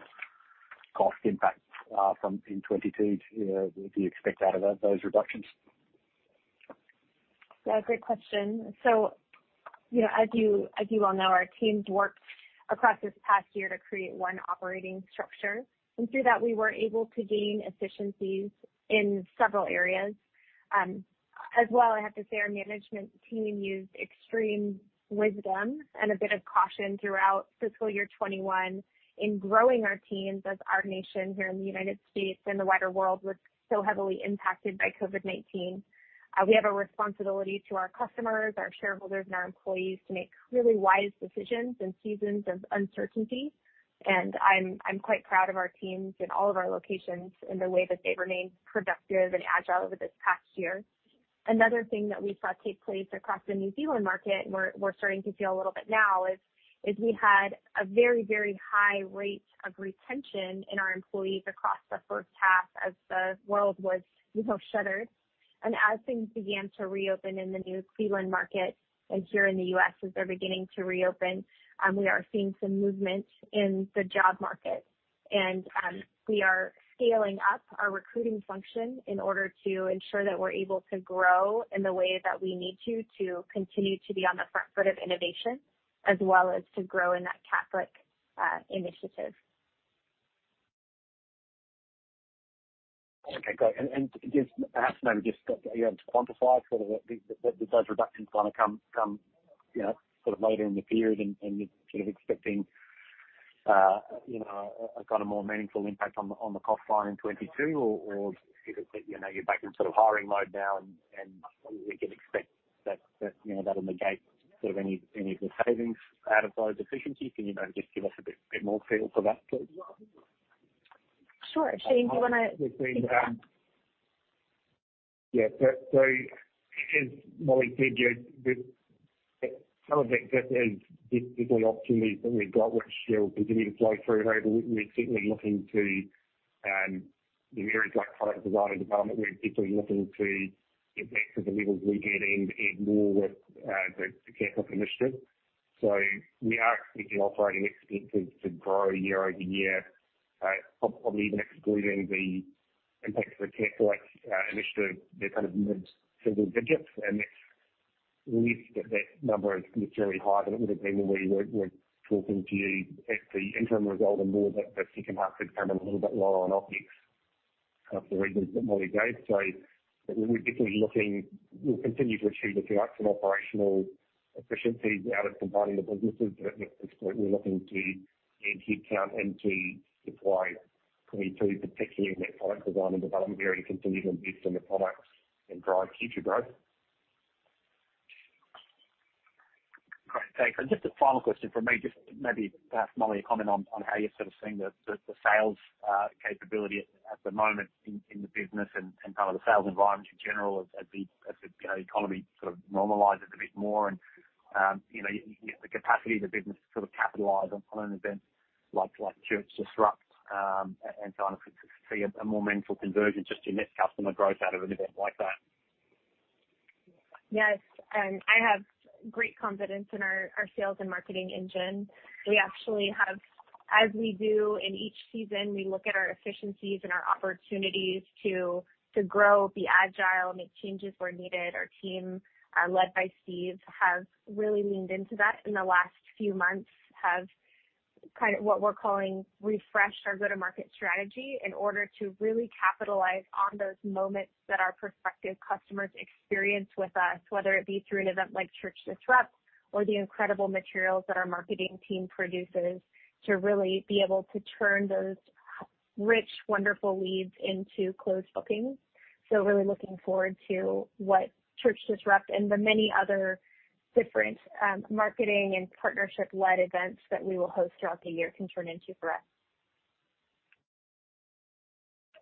G: cost impacts from in 2022 do you expect out of those reductions?
C: Yeah, great question. As you well know, our teams worked across this past year to create one operating structure, and through that we were able to gain efficiencies in several areas. As well, I have to say our management team used extreme wisdom and a bit of caution throughout fiscal year 2021 in growing our teams as our nation here in the United States and the wider world was so heavily impacted by COVID-19. We have a responsibility to our customers, our shareholders, and our employees to make really wise decisions in seasons of uncertainty. I'm quite proud of our teams in all of our locations in the way that they've remained productive and agile over this past year. Another thing that we saw take place across the New Zealand market, we're starting to feel a little bit now is, we had a very, very high rate of retention in our employees across the first half as the world was shuttered. As things began to reopen in the New Zealand market and here in the U.S. as they're beginning to reopen, we are seeing some movement in the job market. We are scaling up our recruiting function in order to ensure that we're able to grow in the way that we need to continue to be on the front foot of innovation as well as to grow in that Catholic Initiative.
G: Okay, great. Perhaps maybe just to quantify those reductions going to come later in the period and you're expecting a more meaningful impact on the cost line in 2022 or given that you're back in hiring mode now and we can expect that that'll negate any of the savings out of those efficiencies. Can you maybe just give us a bit more feel for that, please?
C: Sure. Shane, do you want to take that?
D: Yeah. As Molly said, some of that is just the opportunities that we've got which are continuing to flow through. We're certainly looking to in areas like product design and development, we're particularly looking to invest at the levels we did in more with the Catholic Initiative. We are expecting operating expenses to grow year-over-year. Probably even excluding the impact of the Catholic Initiative, they're kind of mid-single digits, and that's less that that number is materially higher than it would have been when we were talking to you at the interim result and more that the second half has come in a little bit lower on OpEx for the reasons that Molly Matthews gave. We're definitely looking. We'll continue to achieve a few ups in operational efficiencies out of combining the businesses. At this point, we're looking to add headcount and to supply 2022, particularly in that product design and development area, continue to invest in the products and drive future growth.
G: Great. Thanks. Just a final question from me, just maybe perhaps, Molly, a comment on how you're sort of seeing the sales capability at the moment in the business and kind of the sales environment in general as the economy sort of normalizes a bit more and the capacity of the business to sort of capitalize on an event like Church Disrupt and kind of see a more meaningful conversion just in net customer growth out of an event like that?
C: Yes. I have great confidence in our sales and marketing engine. We actually, as we do in each season, we look at our efficiencies and our opportunities to grow, be agile, make changes where needed. Our team, led by Steve, have really leaned into that in the last few months. Kind of what we're calling refreshed our go-to-market strategy in order to really capitalize on those moments that our prospective customers experience with us, whether it be through an event like Church Disrupt or the incredible materials that our marketing team produces to really be able to turn those rich, wonderful leads into closed bookings. Really looking forward to what Church Disrupt and the many other different marketing and partnership-led events that we will host throughout the year can turn into for us.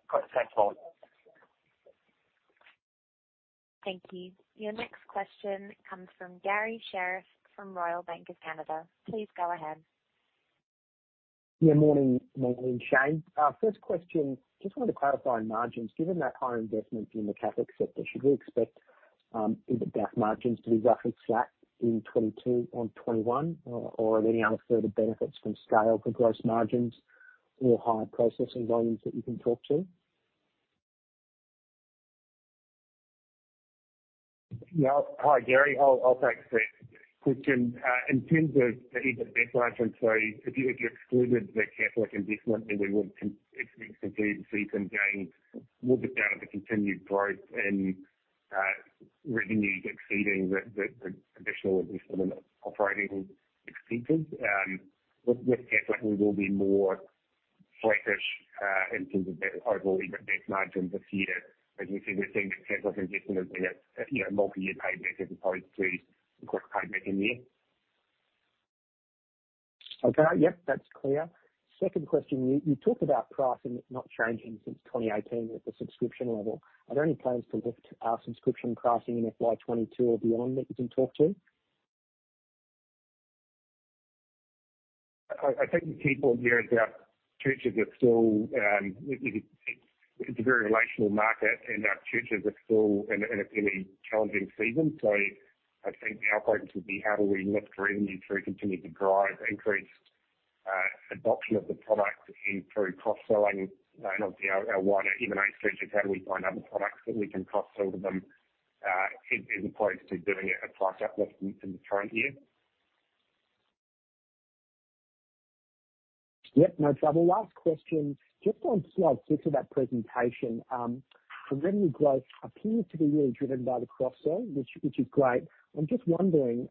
G: Great. Thanks, Molly.
A: Thank you. Your next question comes from Garry Sherriff from Royal Bank of Canada. Please go ahead.
H: Yeah. Morning, Molly and Shane. First question, just wanted to clarify on margins. Given that higher investment in the Catholic sector, should we expect EBITDAF margins to be roughly flat in 2022 on 2021, or are there any other further benefits from scale for gross margins or higher processing volumes that you can talk to?
D: Hi, Garry. I'll take the first question. In terms of the EBITDAF margins, if you excluded the Catholic investment, we would expect to see some gains more because of the continued growth in revenues exceeding the additional investment operating expenses. With Catholic, we will be more flattish in terms of the overall EBITDAF margins this year. As you say, we're seeing the Catholic investment as being a multi-year payment as opposed to a quick payment in the year.
H: Okay. Yep, that's clear. Second question, you talked about pricing not changing since 2018 at the subscription level. Are there any plans to lift our subscription pricing in FY 2022 or beyond that you can talk to?
D: I think the key point here is our churches are still, it's a very relational market, and our churches are still in a fairly challenging season. I think our focus would be how do we lift revenue through continued to drive increased adoption of the product and through cross-selling of our wider product searches. How do we find other products that we can cross-sell to them, as opposed to doing a price uplift in the current year.
H: Yep, no trouble. Last question. Just on slide six of that presentation. The revenue growth appears to be really driven by the cross-sell, which is great. I'm just wondering,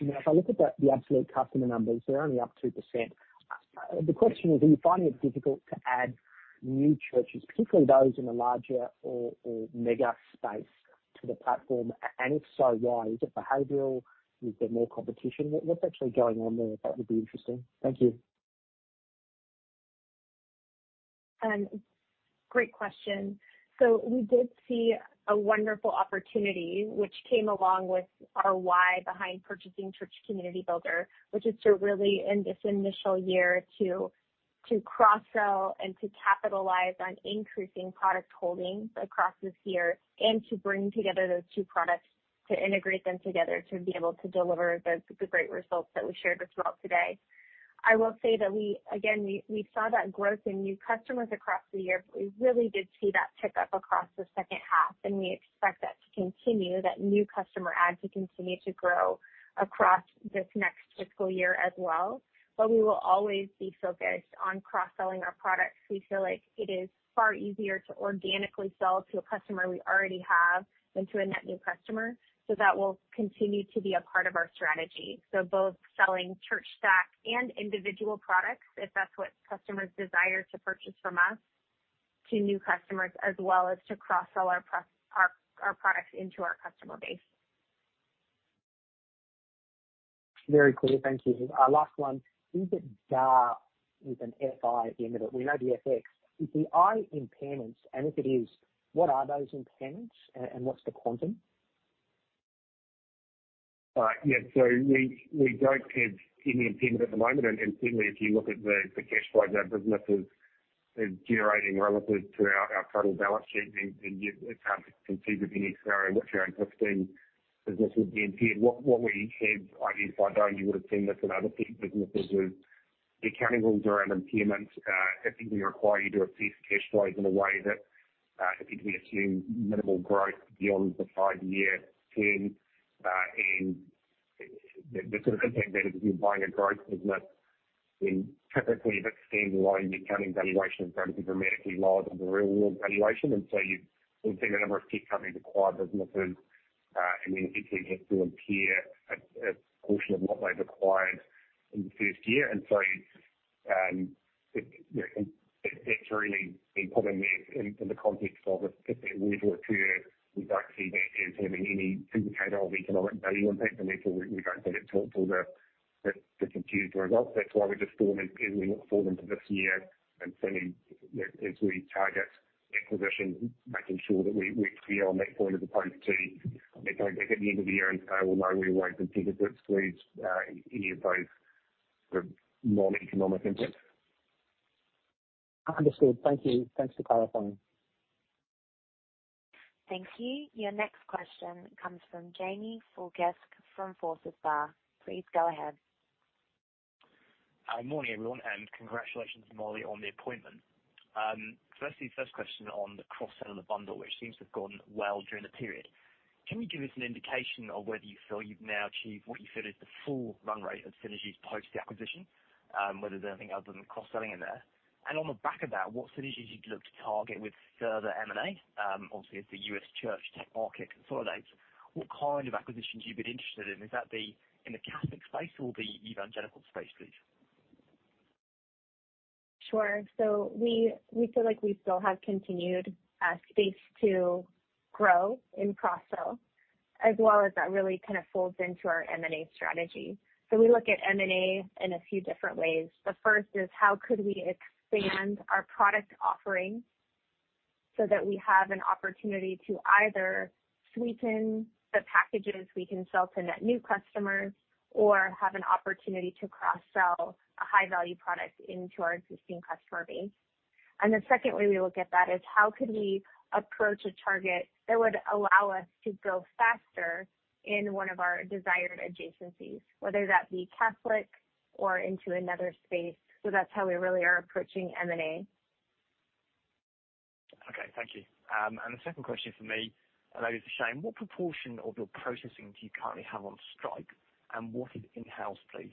H: if I look at the absolute customer numbers, they're only up 2%. The question is, are you finding it difficult to add new churches, particularly those in the larger or mega space to the platform, and if so, why? Is it behavioral? Is there more competition? What's actually going on there? That would be interesting. Thank you.
C: Great question. We did see a wonderful opportunity which came along with our why behind purchasing Church Community Builder, which is to really, in this initial year, to cross-sell and to capitalize on increasing product holdings across this year and to bring together those two products, to integrate them together, to be able to deliver the great results that we shared with you all today. I will say that we, again, we saw that growth in new customers across the year, but we really did see that pick up across the second half, and we expect that to continue, that new customer add to continue to grow across this next fiscal year as well. We will always be focused on cross-selling our products. We feel like it is far easier to organically sell to a customer we already have than to a net new customer. That will continue to be a part of our strategy. Both selling ChurchStaq and individual products, if that's what customers desire to purchase from us, to new customers, as well as to cross-sell our products into our customer base.
H: Very clear. Thank you. Last one. Is it EBITDAFI with an FI at the end of it? We know the FX. Is the I impairments, and if it is, what are those impairments and what's the quantum?
D: We don't have any impairment at the moment. Certainly, if you look at the cash flows our business is generating relative to our total balance sheet, then it's hard to conceive of any scenario which our existing business would be impaired. What we have identified, I know you would have seen this in other tech businesses, is the accounting rules around impairment effectively require you to assess cash flows in a way that effectively assumes minimal growth beyond the five-year term. The sort of impact there is if you're buying a growth business, then typically that standalone accounting valuation is going to be dramatically lower than the real world valuation. You've seen a number of tech companies acquire businesses and then effectively have to impair a portion of what they've acquired in the first year. It's really important there in the context of, if that were to occur, we don't see that as having any indicator of economic value impact. Therefore, we don't give it talk till the consolidated results. That's why we just don't as we look forward into this year and planning, as we target acquisitions, making sure that we're clear on that point as opposed to, it's like at the end of the year and say, "Well, no, we weren't considered this through any of those non-economic impacts.
H: Understood. Thank you. Thanks for clarifying.
A: Thank you. Your next question comes from Jamie Foulkes from Forsyth Barr. Please go ahead.
I: Morning, everyone. Congratulations, Molly, on the appointment. Firstly, first question on the cross-sell and the bundle, which seems to have gone well during the period. Can you give us an indication of whether you feel you've now achieved what you feel is the full run rate of synergies post the acquisition, whether there's anything other than cross-selling in there? On the back of that, what synergies you'd look to target with further M&A? Obviously, as the U.S. church tech market consolidates, what kind of acquisitions you'd be interested in? Would that be in the Catholic space or the evangelical space, please?
C: Sure. We feel like we still have continued space to grow in cross-sell, as well as that really kind of folds into our M&A strategy. We look at M&A and see it different ways. The first is how could we expand our product offering so that we have an opportunity to either sweeten the packages we can sell to net new customers or have an opportunity to cross-sell a high-value product into our existing customer base. The second way we look at that is how could we approach a target that would allow us to go faster in one of our desired adjacencies, whether that be Catholic or into another space. That's how we really are approaching M&A.
I: Okay, thank you. The second question from me, and I go to Shane, what proportion of your processing do you currently have on Stripe, and what is in-house, please?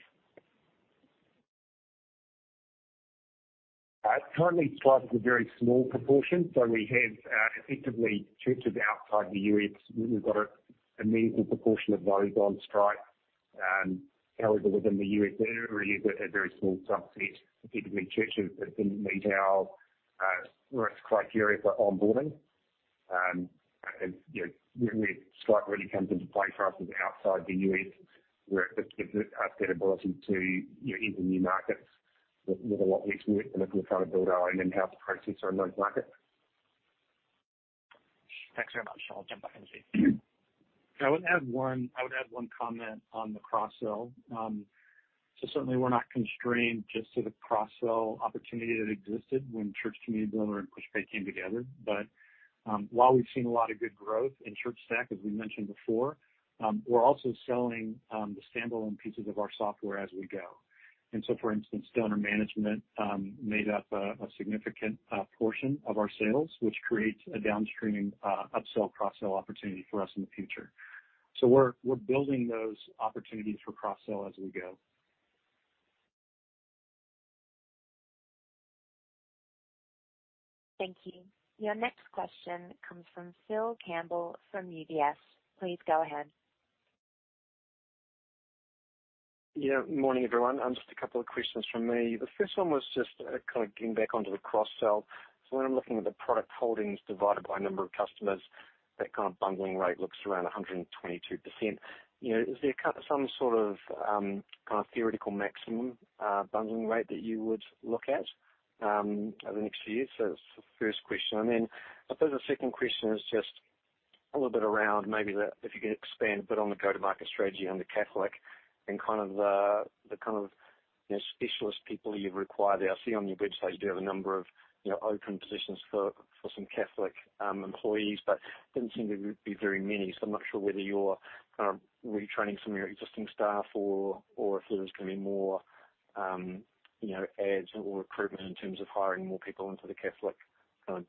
D: Currently, Stripe is a very small proportion. We have effectively churches outside the U.S. We've got a meaningful proportion of those on Stripe. Within the U.S., there really is a very small subset, effectively churches that didn't meet our risk criteria for onboarding. Where Stripe really comes into play for us is outside the U.S., where it gives us that ability to enter new markets with a lot less work than if we were trying to build our own in-house processor in those markets.
I: Thanks very much. I'll jump back in a sec.
F: I would add one comment on the cross-sell. Certainly we're not constrained just to the cross-sell opportunity that existed when Church Community Builder and Pushpay came together. While we've seen a lot of good growth in ChurchStaq, as we mentioned before, we're also selling the standalone pieces of our software as we go. For instance, Donor Management made up a significant portion of our sales, which creates a downstream upsell, cross-sell opportunity for us in the future. We're building those opportunities for cross-sell as we go.
A: Thank you. Your next question comes from Phil Campbell from UBS. Please go ahead.
J: Yeah. Morning, everyone. Just a couple of questions from me. The first one was just kind of getting back onto the cross-sell. When I'm looking at the product holdings divided by number of customers, that kind of bundling rate looks around 122%. Is there some sort of theoretical maximum bundling rate that you would look at over the next few years? That's the first question. I suppose the second question is just a little bit around maybe if you could expand a bit on the go-to-market strategy on the Catholic and the kind of specialist people you require there. I see on your website you do have a number of open positions for some Catholic employees, but doesn't seem to be very many. I'm not sure whether you're retraining some of your existing staff or if there's going to be more adds or recruitment in terms of hiring more people into the Catholic part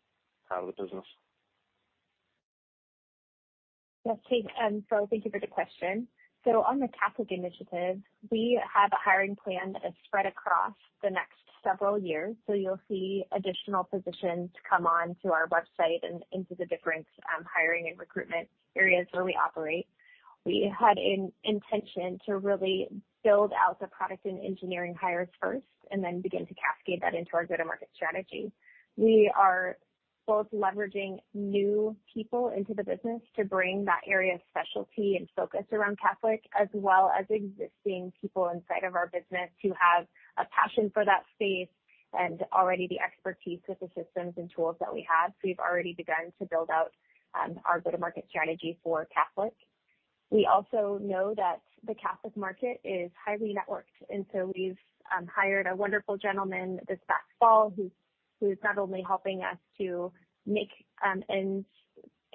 J: of the business.
C: Yes, Phil, thank you for the question. On the Catholic Initiative, we have a hiring plan that is spread across the next several years. You'll see additional positions come on to our website and into the different hiring and recruitment areas where we operate. We had an intention to really build out the product and engineering hires first and then begin to cascade that into our go-to-market strategy. We are both leveraging new people into the business to bring that area of specialty and focus around Catholic, as well as existing people inside of our business who have a passion for that space and already the expertise with the systems and tools that we have. We've already begun to build out our go-to-market strategy for Catholic. We also know that the Catholic market is highly networked. We've hired a wonderful gentleman this past fall who's not only helping us to make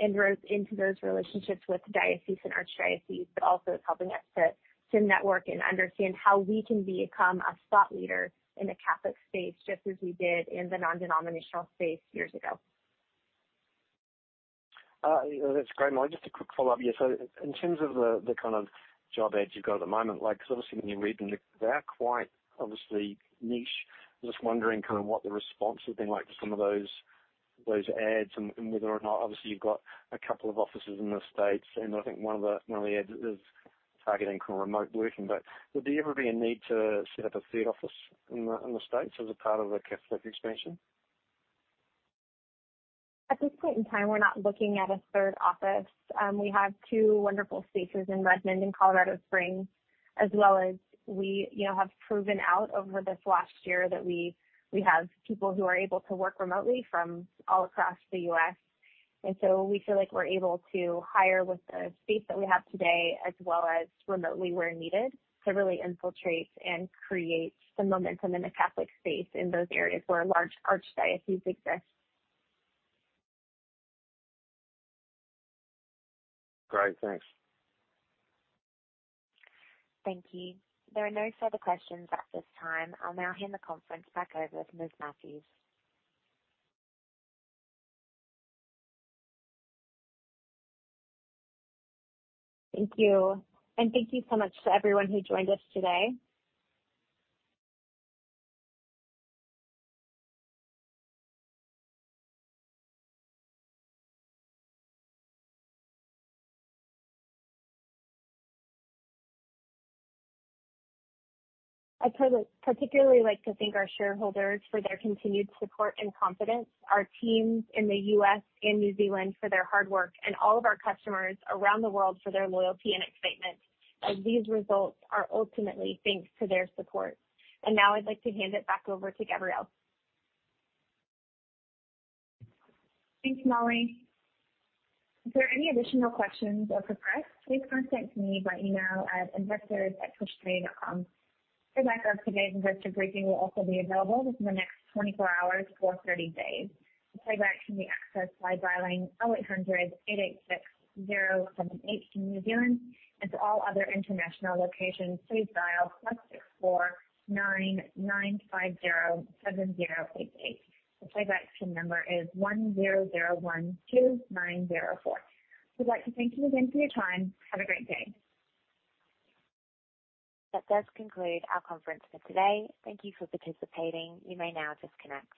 C: inroads into those relationships with diocese and archdiocese, but also is helping us to network and understand how we can become a thought leader in the Catholic space, just as we did in the non-denominational space years ago.
J: That's great, Molly. Just a quick follow-up. Yeah, in terms of the kind of job ads you've got at the moment, because obviously when you read them, they are quite obviously niche. I'm just wondering kind of what the response has been like to some of those ads. Obviously you've got a couple of offices in the States, and I think one of the ads is targeting kind of remote working. Would there ever be a need to set up a third office in the States as a part of a Catholic expansion?
C: At this point in time, we're not looking at a third office. We have two wonderful spaces in Redmond and Colorado Springs, as well as we have proven out over this last year that we have people who are able to work remotely from all across the U.S. We feel like we're able to hire with the space that we have today as well as remotely where needed to really infiltrate and create some momentum in the Catholic space in those areas where large archdioceses exist.
J: Great. Thanks.
A: Thank you. There are no further questions at this time. I'll now hand the conference back over to Ms. Matthews.
C: Thank you. Thank you so much to everyone who joined us today. I'd particularly like to thank our shareholders for their continued support and confidence, our teams in the U.S. and New Zealand for their hard work, and all of our customers around the world for their loyalty and excitement, as these results are ultimately thanks to their support. Now I'd like to hand it back over to Gabrielle.
B: Thanks, Molly. If there are any additional questions or requests, please contact me by email at investors@pushpay.com. A playback of today's investor briefing will also be available within the next 24 hours for 30 days. The playback can be accessed by dialing 0800 886 078 from New Zealand, and to all other international locations, please dial +64 9 950 7088. The playback pin number is 10012904. We'd like to thank you again for your time. Have a great day.
A: That does conclude our conference for today. Thank you for participating. You may now disconnect.